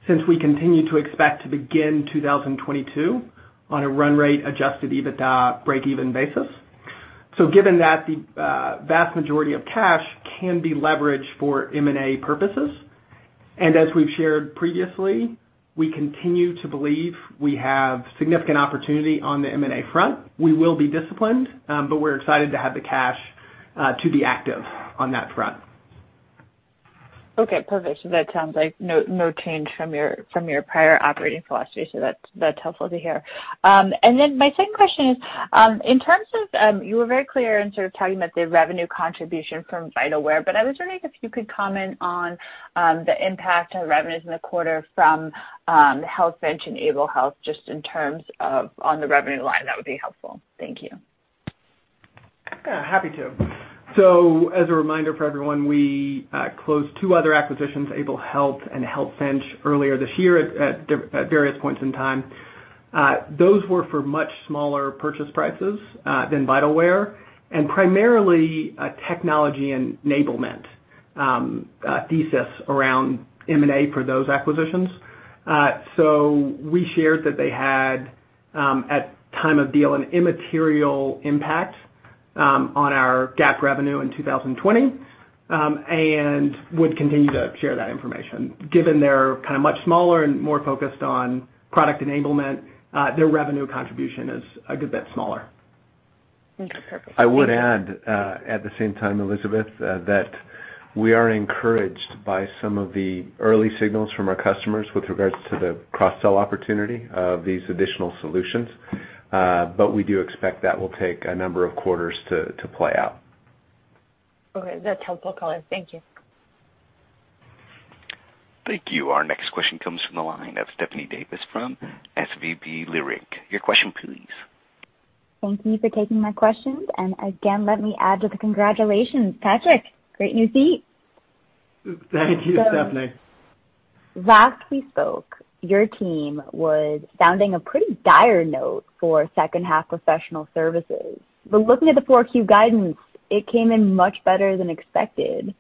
since we continue to expect to begin 2022 on a run rate Adjusted EBITDA breakeven basis. Given that the vast majority of cash can be leveraged for M&A purposes, and as we've shared previously, we continue to believe we have significant opportunity on the M&A front. We will be disciplined, but we're excited to have the cash to be active on that front. Okay, perfect. That sounds like no change from your prior operating philosophy, so that's helpful to hear. My second question is, in terms of, you were very clear in sort of talking about the revenue contribution from Vitalware, but I was wondering if you could comment on the impact on revenues in the quarter from Healthfinch and Able Health, just in terms of on the revenue line? That would be helpful. Thank you. Yeah, happy to. As a reminder for everyone, we closed two other acquisitions, Able Health and Healthfinch, earlier this year at various points in time. Those were for much smaller purchase prices than Vitalware, and primarily a technology enablement thesis around M&A for those acquisitions. We shared that they had, at time of deal, an immaterial impact on our GAAP revenue in 2020, and would continue to share that information. Given they're kind of much smaller and more focused on product enablement, their revenue contribution is a good bit smaller. Okay, perfect. I would add, at the same time, Elizabeth, that we are encouraged by some of the early signals from our customers with regards to the cross-sell opportunity of these additional solutions. We do expect that will take a number of quarters to play out. Okay. That's helpful color. Thank you. Thank you. Our next question comes from the line of Stephanie Davis from SVB Leerink. Your question please. Thank you for taking my questions, and again, let me add to the congratulations, Patrick. Great new seat. Thank you, Stephanie. Last we spoke, your team was sounding a pretty dire note for second half professional services. Looking at the four Q guidance, it came in much better than expected.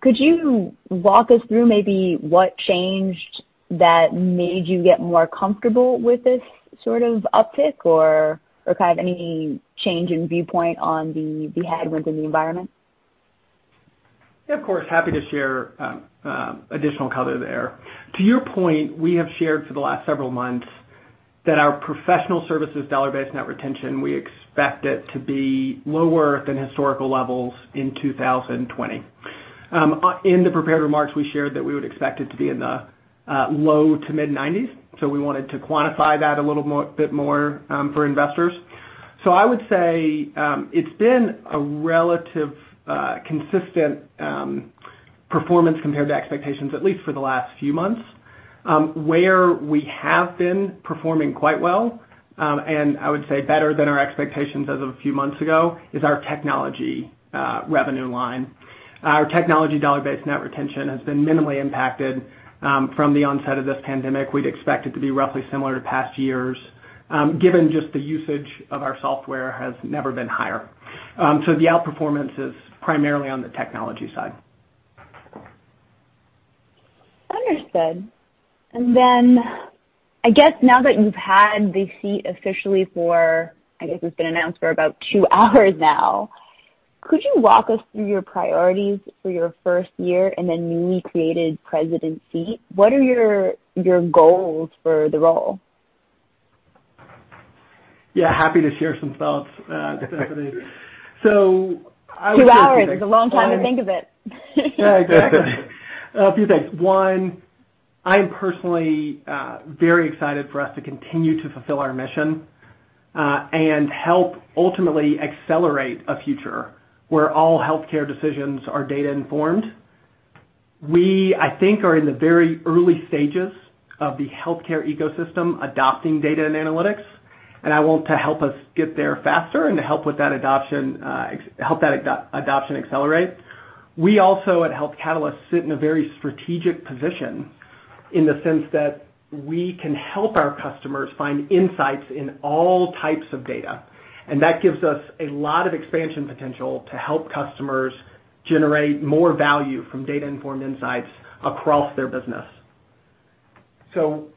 Could you walk us through maybe what changed that made you get more comfortable with this sort of uptick or kind of any change in viewpoint on the headwinds in the environment? Yeah, of course. Happy to share additional color there. To your point, we have shared for the last several months that our professional services dollar-based net retention, we expect it to be lower than historical levels in 2020. In the prepared remarks, we shared that we would expect it to be in the low to mid-90s, so we wanted to quantify that a little bit more for investors. I would say it's been a relative consistent performance compared to expectations, at least for the last few months. Where we have been performing quite well, and I would say better than our expectations as of a few months ago, is our technology revenue line. Our technology dollar-based net retention has been minimally impacted from the onset of this pandemic. We'd expect it to be roughly similar to past years, given just the usage of our software has never been higher. The outperformance is primarily on the technology side. Understood. I guess now that you've had the seat officially for, I guess it's been announced for about two hours now, could you walk us through your priorities for your first year in the newly created President seat? What are your goals for the role? Yeah, happy to share some thoughts, Stephanie. I would say a few things. Two hours is a long time to think of it. Yeah, exactly. A few things. One, I am personally very excited for us to continue to fulfill our mission, and help ultimately accelerate a future where all healthcare decisions are data informed. We, I think, are in the very early stages of the healthcare ecosystem adopting data and analytics, and I want to help us get there faster and to help that adoption accelerate. We also, at Health Catalyst, sit in a very strategic position in the sense that we can help our customers find insights in all types of data, and that gives us a lot of expansion potential to help customers generate more value from data-informed insights across their business.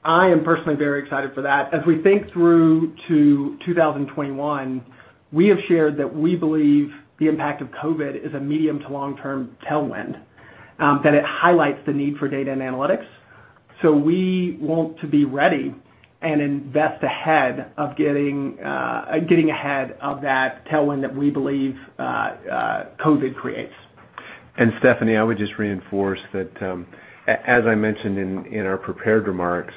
I am personally very excited for that. As we think through to 2021, we have shared that we believe the impact of COVID is a medium to long-term tailwind, that it highlights the need for data and analytics. We want to be ready and invest ahead of getting ahead of that tailwind that we believe COVID creates. Stephanie, I would just reinforce that, as I mentioned in our prepared remarks,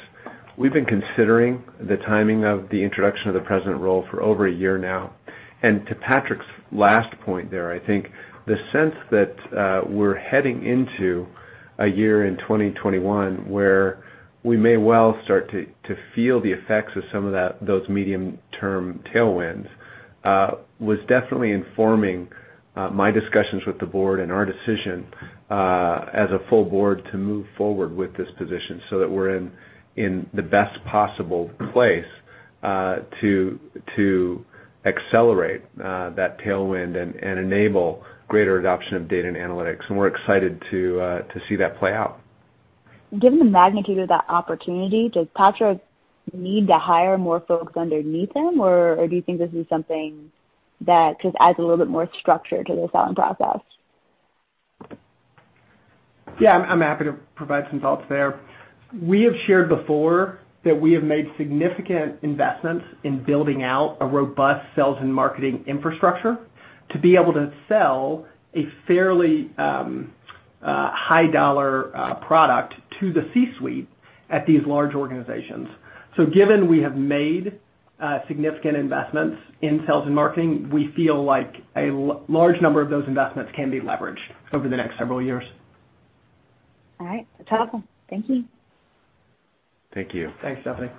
we've been considering the timing of the introduction of the president role for over a year now. To Patrick's last point there, I think the sense that we're heading into a year in 2021 where we may well start to feel the effects of some of those medium-term tailwinds, was definitely informing my discussions with the board and our decision, as a full board, to move forward with this position so that we're in the best possible place to accelerate that tailwind and enable greater adoption of data and analytics. We're excited to see that play out. Given the magnitude of that opportunity, does Patrick need to hire more folks underneath him, or do you think this is something that just adds a little bit more structure to the selling process? Yeah, I'm happy to provide some thoughts there. We have shared before that we have made significant investments in building out a robust sales and marketing infrastructure to be able to sell a fairly high-dollar product to the C-suite at these large organizations. Given we have made significant investments in sales and marketing, we feel like a large number of those investments can be leveraged over the next several years. All right. That's helpful. Thank you. Thank you. Thanks, Stephanie.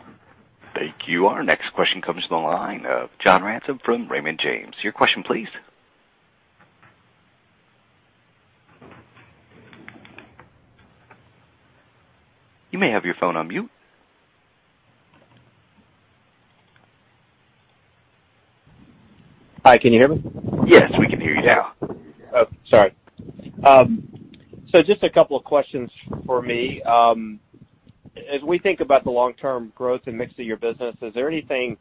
Thank you. Our next question comes from the line of John Ransom from Raymond James. Your question, please. You may have your phone on mute. Hi, can you hear me? Yes, we can hear you now. Oh, sorry. Just a couple of questions for me. As we think about the long-term growth and mix of your business, has anything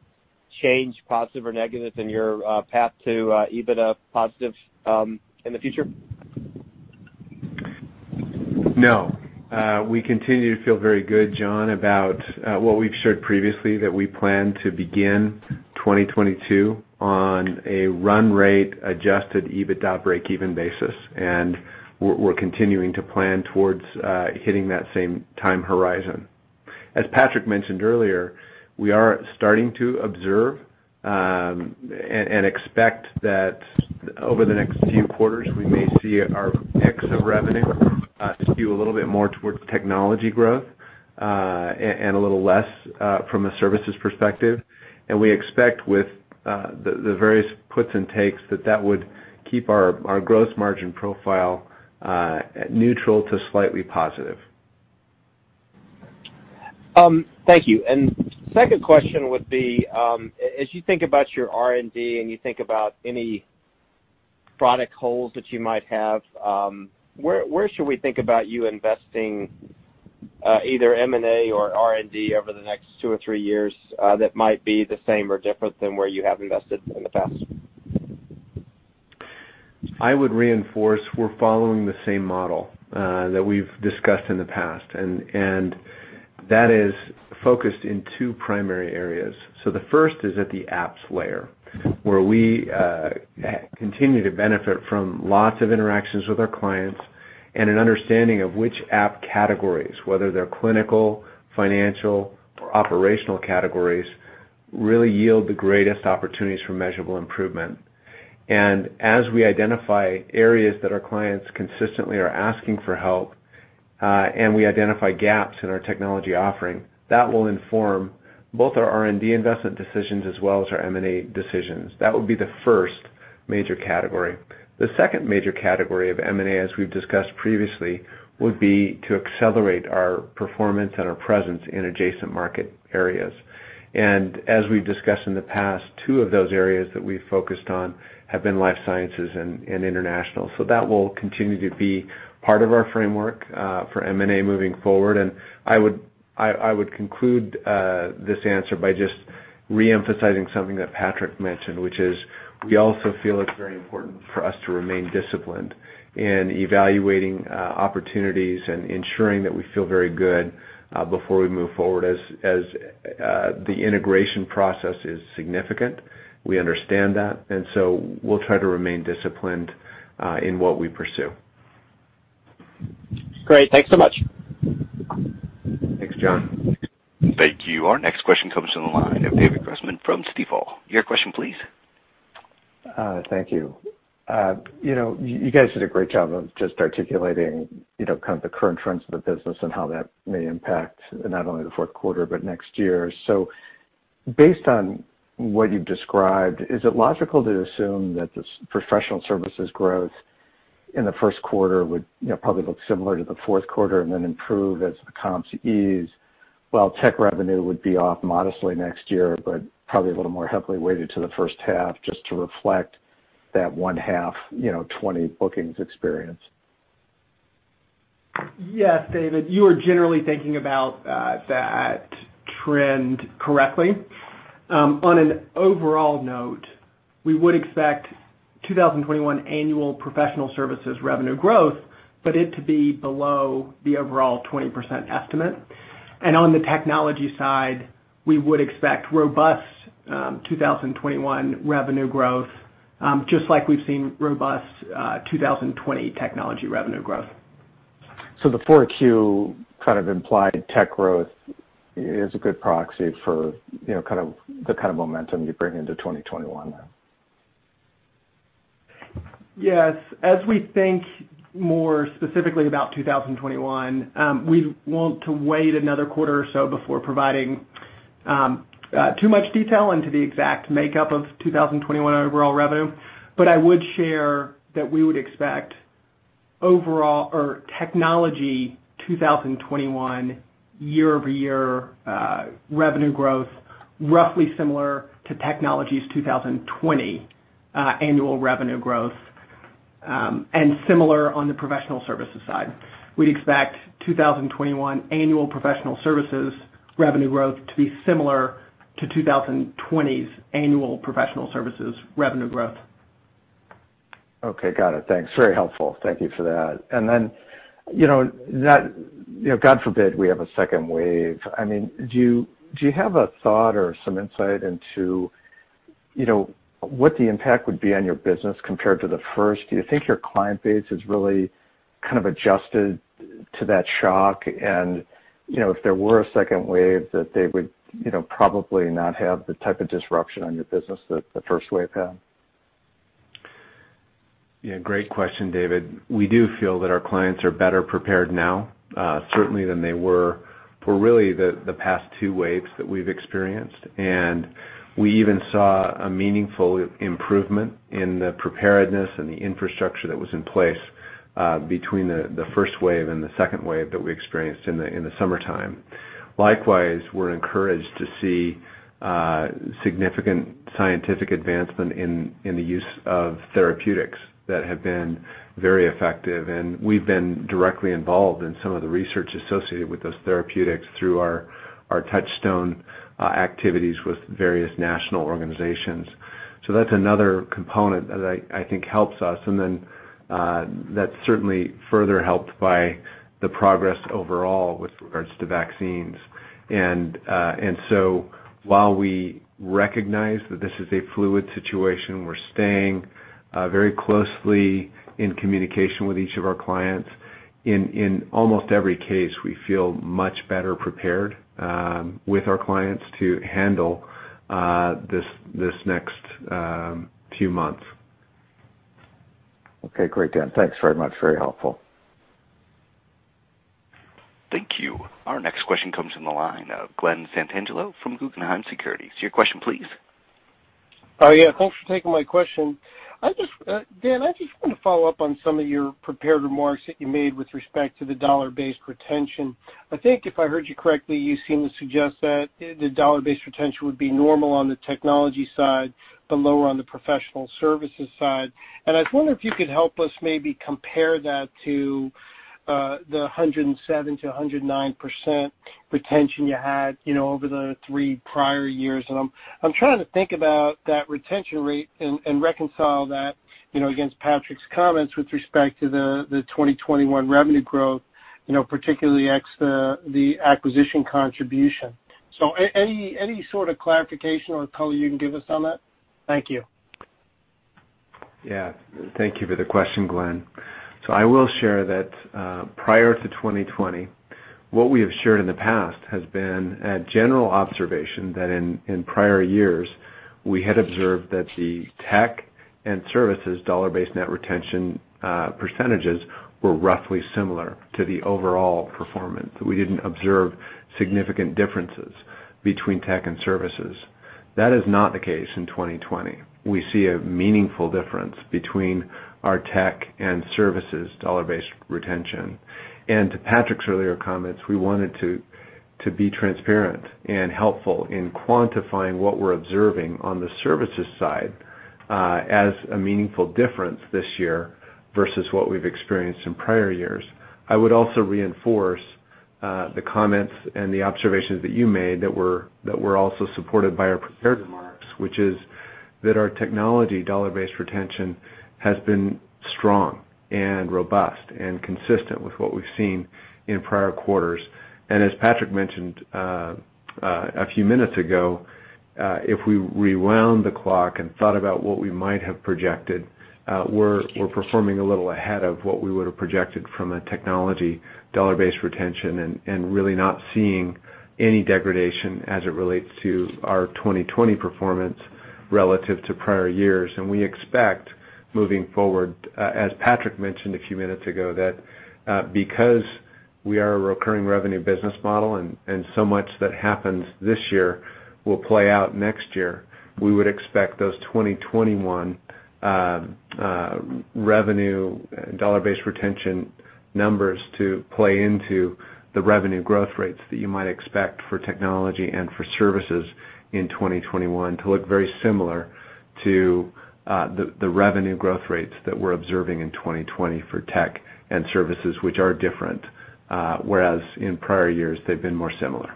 changed, positive or negative, in your path to EBITDA positive in the future? No. We continue to feel very good, John, about what we've shared previously, that we plan to begin 2022 on a run rate Adjusted EBITDA breakeven basis. We're continuing to plan towards hitting that same time horizon. As Patrick mentioned earlier, we are starting to observe and expect that over the next few quarters, we may see our mix of revenue skew a little bit more towards technology growth, and a little less from a services perspective. We expect with the various puts and takes that that would keep our gross margin profile neutral to slightly positive. Thank you. Second question would be, as you think about your R&D and you think about any product holes that you might have, where should we think about you investing either M&A or R&D over the next two or three years that might be the same or different than where you have invested in the past? I would reinforce we're following the same model that we've discussed in the past, and that is focused in two primary areas. The first is at the apps layer, where we continue to benefit from lots of interactions with our clients and an understanding of which app categories, whether they're clinical, financial or operational categories really yield the greatest opportunities for measurable improvement. As we identify areas that our clients consistently are asking for help, and we identify gaps in our technology offering, that will inform both our R&D investment decisions as well as our M&A decisions. That would be the first major category. The second major category of M&A, as we've discussed previously, would be to accelerate our performance and our presence in adjacent market areas. As we've discussed in the past, two of those areas that we've focused on have been life sciences and international. That will continue to be part of our framework for M&A moving forward. I would conclude this answer by just re-emphasizing something that Patrick mentioned, which is we also feel it's very important for us to remain disciplined in evaluating opportunities and ensuring that we feel very good before we move forward, as the integration process is significant. We understand that, and so we'll try to remain disciplined in what we pursue. Great. Thanks so much. Thanks, John. Thank you. Our next question comes from the line of David Grossman from Stifel. Your question, please. Thank you. You guys did a great job of just articulating the current trends of the business and how that may impact not only the fourth quarter, but next year. Based on what you've described, is it logical to assume that the professional services growth in the first quarter would probably look similar to the fourth quarter and then improve as the comps ease, while tech revenue would be off modestly next year, but probably a little more heavily weighted to the first half just to reflect that one half 2020 bookings experience? Yes, David, you are generally thinking about that trend correctly. On an overall note, we would expect 2021 annual professional services revenue growth, it to be below the overall 20% estimate. On the technology side, we would expect robust 2021 revenue growth, just like we've seen robust 2020 technology revenue growth. The four Q kind of implied tech growth is a good proxy for the kind of momentum you bring into 2021 then? Yes. As we think more specifically about 2021, we want to wait another quarter or so before providing too much detail into the exact makeup of 2021 overall revenue. I would share that we would expect technology 2021 year-over-year revenue growth roughly similar to technology 2020 annual revenue growth, and similar on the professional services side. We'd expect 2021 annual professional services revenue growth to be similar to 2020's annual professional services revenue growth. Okay. Got it. Thanks. Very helpful. Thank you for that. God forbid we have a second wave. Do you have a thought or some insight into what the impact would be on your business compared to the first? Do you think your client base has really kind of adjusted to that shock? If there were a second wave, that they would probably not have the type of disruption on your business that the first wave had? Yeah, great question, David. We do feel that our clients are better prepared now, certainly than they were for really the past two waves that we've experienced. We even saw a meaningful improvement in the preparedness and the infrastructure that was in place between the first wave and the second wave that we experienced in the summertime. Likewise, we're encouraged to see significant scientific advancement in the use of therapeutics that have been very effective, and we've been directly involved in some of the research associated with those therapeutics through our Touchstone activities with various national organizations. That's another component that I think helps us, and then that's certainly further helped by the progress overall with regards to vaccines. While we recognize that this is a fluid situation, we're staying very closely in communication with each of our clients. In almost every case, we feel much better prepared with our clients to handle this next few months. Okay. Great, Dan. Thanks very much. Very helpful. Thank you. Our next question comes from the line of Glen Santangelo from Guggenheim Securities. Your question, please. Yeah. Thanks for taking my question. Dan, I just want to follow up on some of your prepared remarks that you made with respect to the dollar-based retention. I think if I heard you correctly, you seem to suggest that the dollar-based retention would be normal on the technology side, but lower on the professional services side. I was wondering if you could help us maybe compare that to the 107%-109% retention you had over the three prior years. I'm trying to think about that retention rate and reconcile that against Patrick's comments with respect to the 2021 revenue growth, particularly ex the acquisition contribution. Any sort of clarification or color you can give us on that? Thank you. Yeah. Thank you for the question, Glen. I will share that prior to 2020, what we have shared in the past has been a general observation that in prior years, we had observed that the tech and services dollar-based net retention percentages were roughly similar to the overall performance. We didn't observe significant differences between tech and services. That is not the case in 2020. We see a meaningful difference between our tech and services dollar-based retention. To Patrick's earlier comments, we wanted to be transparent and helpful in quantifying what we're observing on the services side as a meaningful difference this year versus what we've experienced in prior years. I would also reinforce the comments and the observations that you made that were also supported by our prepared remarks, which is that our technology dollar-based retention has been strong, robust, and consistent with what we've seen in prior quarters. As Patrick mentioned a few minutes ago, if we rewound the clock and thought about what we might have projected, we're performing a little ahead of what we would've projected from a technology dollar-based retention and really not seeing any degradation as it relates to our 2020 performance relative to prior years. We expect moving forward, as Patrick mentioned a few minutes ago, that because we are a recurring revenue business model and so much that happens this year will play out next year, we would expect those 2021 revenue dollar-based retention numbers to play into the revenue growth rates that you might expect for technology and for services in 2021 to look very similar to the revenue growth rates that we're observing in 2020 for tech and services, which are different, whereas in prior years they've been more similar.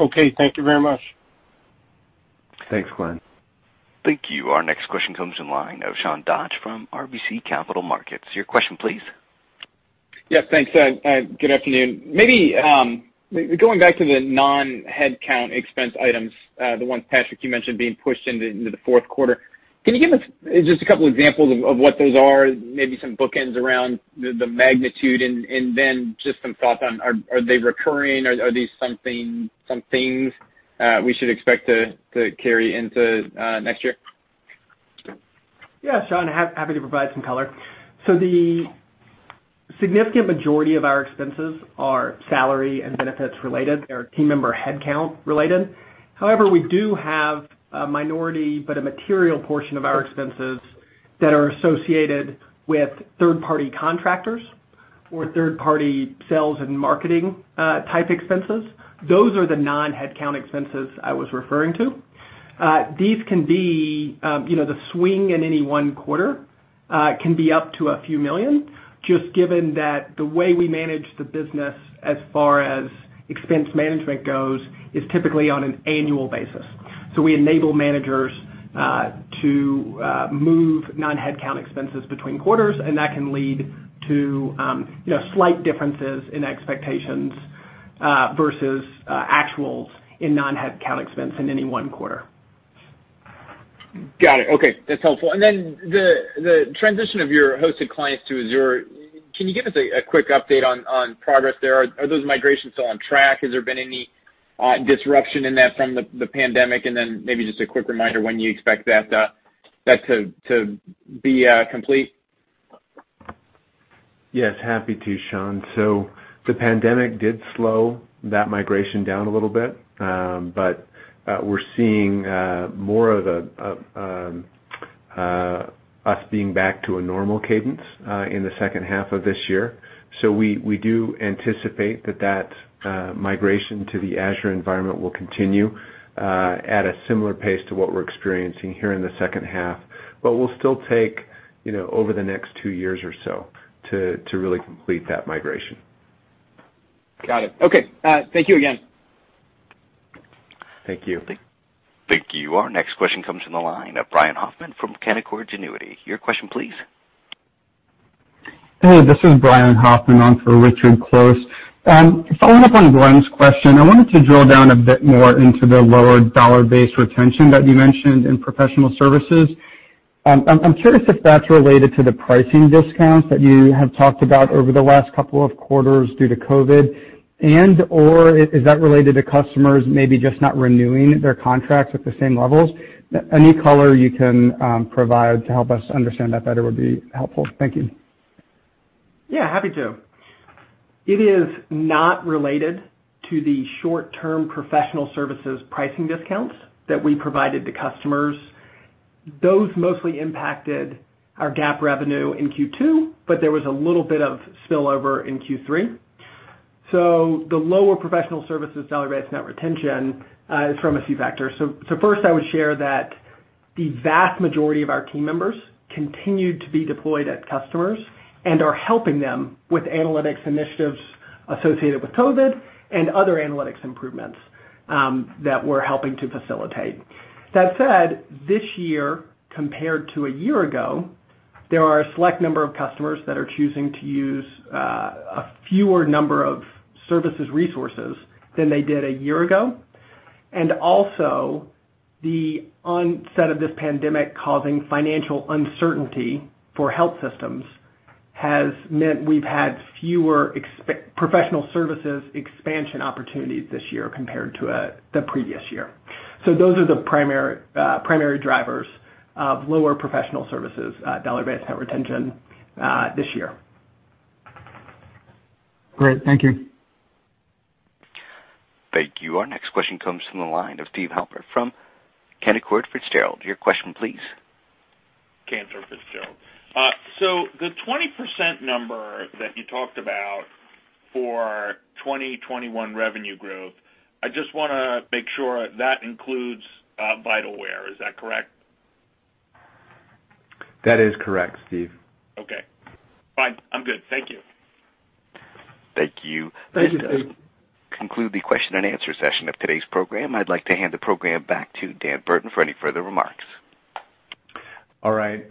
Okay. Thank you very much. Thanks, Glen. Thank you. Our next question comes in line of Sean Dodge from RBC Capital Markets. Your question please. Yes. Thanks. Good afternoon. Going back to the non-headcount expense items, the ones, Patrick, you mentioned being pushed into the fourth quarter. Can you give us just a couple examples of what those are, maybe some bookends around the magnitude? Then just some thoughts on are they recurring, are these some things we should expect to carry into next year? Sean, happy to provide some color. The significant majority of our expenses are salary and benefits related. They're team member headcount related. We do have a minority, but a material portion of our expenses that are associated with third-party contractors or third-party sales and marketing type expenses. Those are the non-headcount expenses I was referring to. The swing in any one quarter can be up to a few million, just given that the way we manage the business as far as expense management goes, is typically on an annual basis. We enable managers to move non-headcount expenses between quarters, and that can lead to slight differences in expectations versus actuals in non-headcount expense in any one quarter. Got it. Okay. That's helpful. The transition of your hosted clients to Azure, can you give us a quick update on progress there? Are those migrations still on track? Has there been any disruption in that from the pandemic? Maybe just a quick reminder when you expect that to be complete. Yes, happy to, Sean. The pandemic did slow that migration down a little bit. We're seeing more of us being back to a normal cadence in the second half of this year. We do anticipate that that migration to the Azure environment will continue at a similar pace to what we're experiencing here in the second half. We'll still take over the next two years or so to really complete that migration. Got it. Okay. Thank you again. Thank you. Thank you. Our next question comes from the line of Brian Hoffman from Canaccord Genuity. Your question, please. Hey, this is Brian Hoffman on for Richard Close. Following up on Glen's question, I wanted to drill down a bit more into the lower dollar-based retention that you mentioned in professional services. I'm curious if that's related to the pricing discounts that you have talked about over the last couple of quarters due to COVID, and/or is that related to customers maybe just not renewing their contracts at the same levels? Any color you can provide to help us understand that better would be helpful. Thank you. Yeah, happy to. It is not related to the short-term professional services pricing discounts that we provided to customers. Those mostly impacted our GAAP revenue in Q2, but there was a little bit of spillover in Q3. The lower professional services dollar-based net retention is from a few factors. First, I would share that the vast majority of our team members continued to be deployed at customers and are helping them with analytics initiatives associated with COVID and other analytics improvements that we're helping to facilitate. That said, this year, compared to a year ago, there are a select number of customers that are choosing to use a fewer number of services resources than they did a year ago. Also, the onset of this pandemic causing financial uncertainty for health systems has meant we've had fewer professional services expansion opportunities this year compared to the previous year. Those are the primary drivers of lower professional services dollar-based net retention this year. Great. Thank you. Thank you. Our next question comes from the line of Steven Halper from Cantor Fitzgerald. Your question, please. Canaccord Genuity. The 20% number that you talked about for 2021 revenue growth, I just want to make sure that includes Vitalware, is that correct? That is correct, Steve. Okay, fine. I'm good. Thank you. Thank you. Thank you, Steve. This does conclude the question-and-answer session of today's program. I'd like to hand the program back to Dan Burton for any further remarks. All right.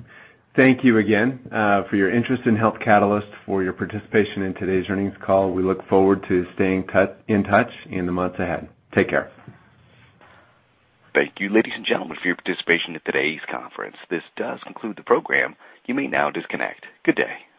Thank you again for your interest in Health Catalyst, for your participation in today's earnings call. We look forward to staying in touch in the months ahead. Take care. Thank you, ladies and gentlemen, for your participation in today's conference. This does conclude the program. You may now disconnect. Good day.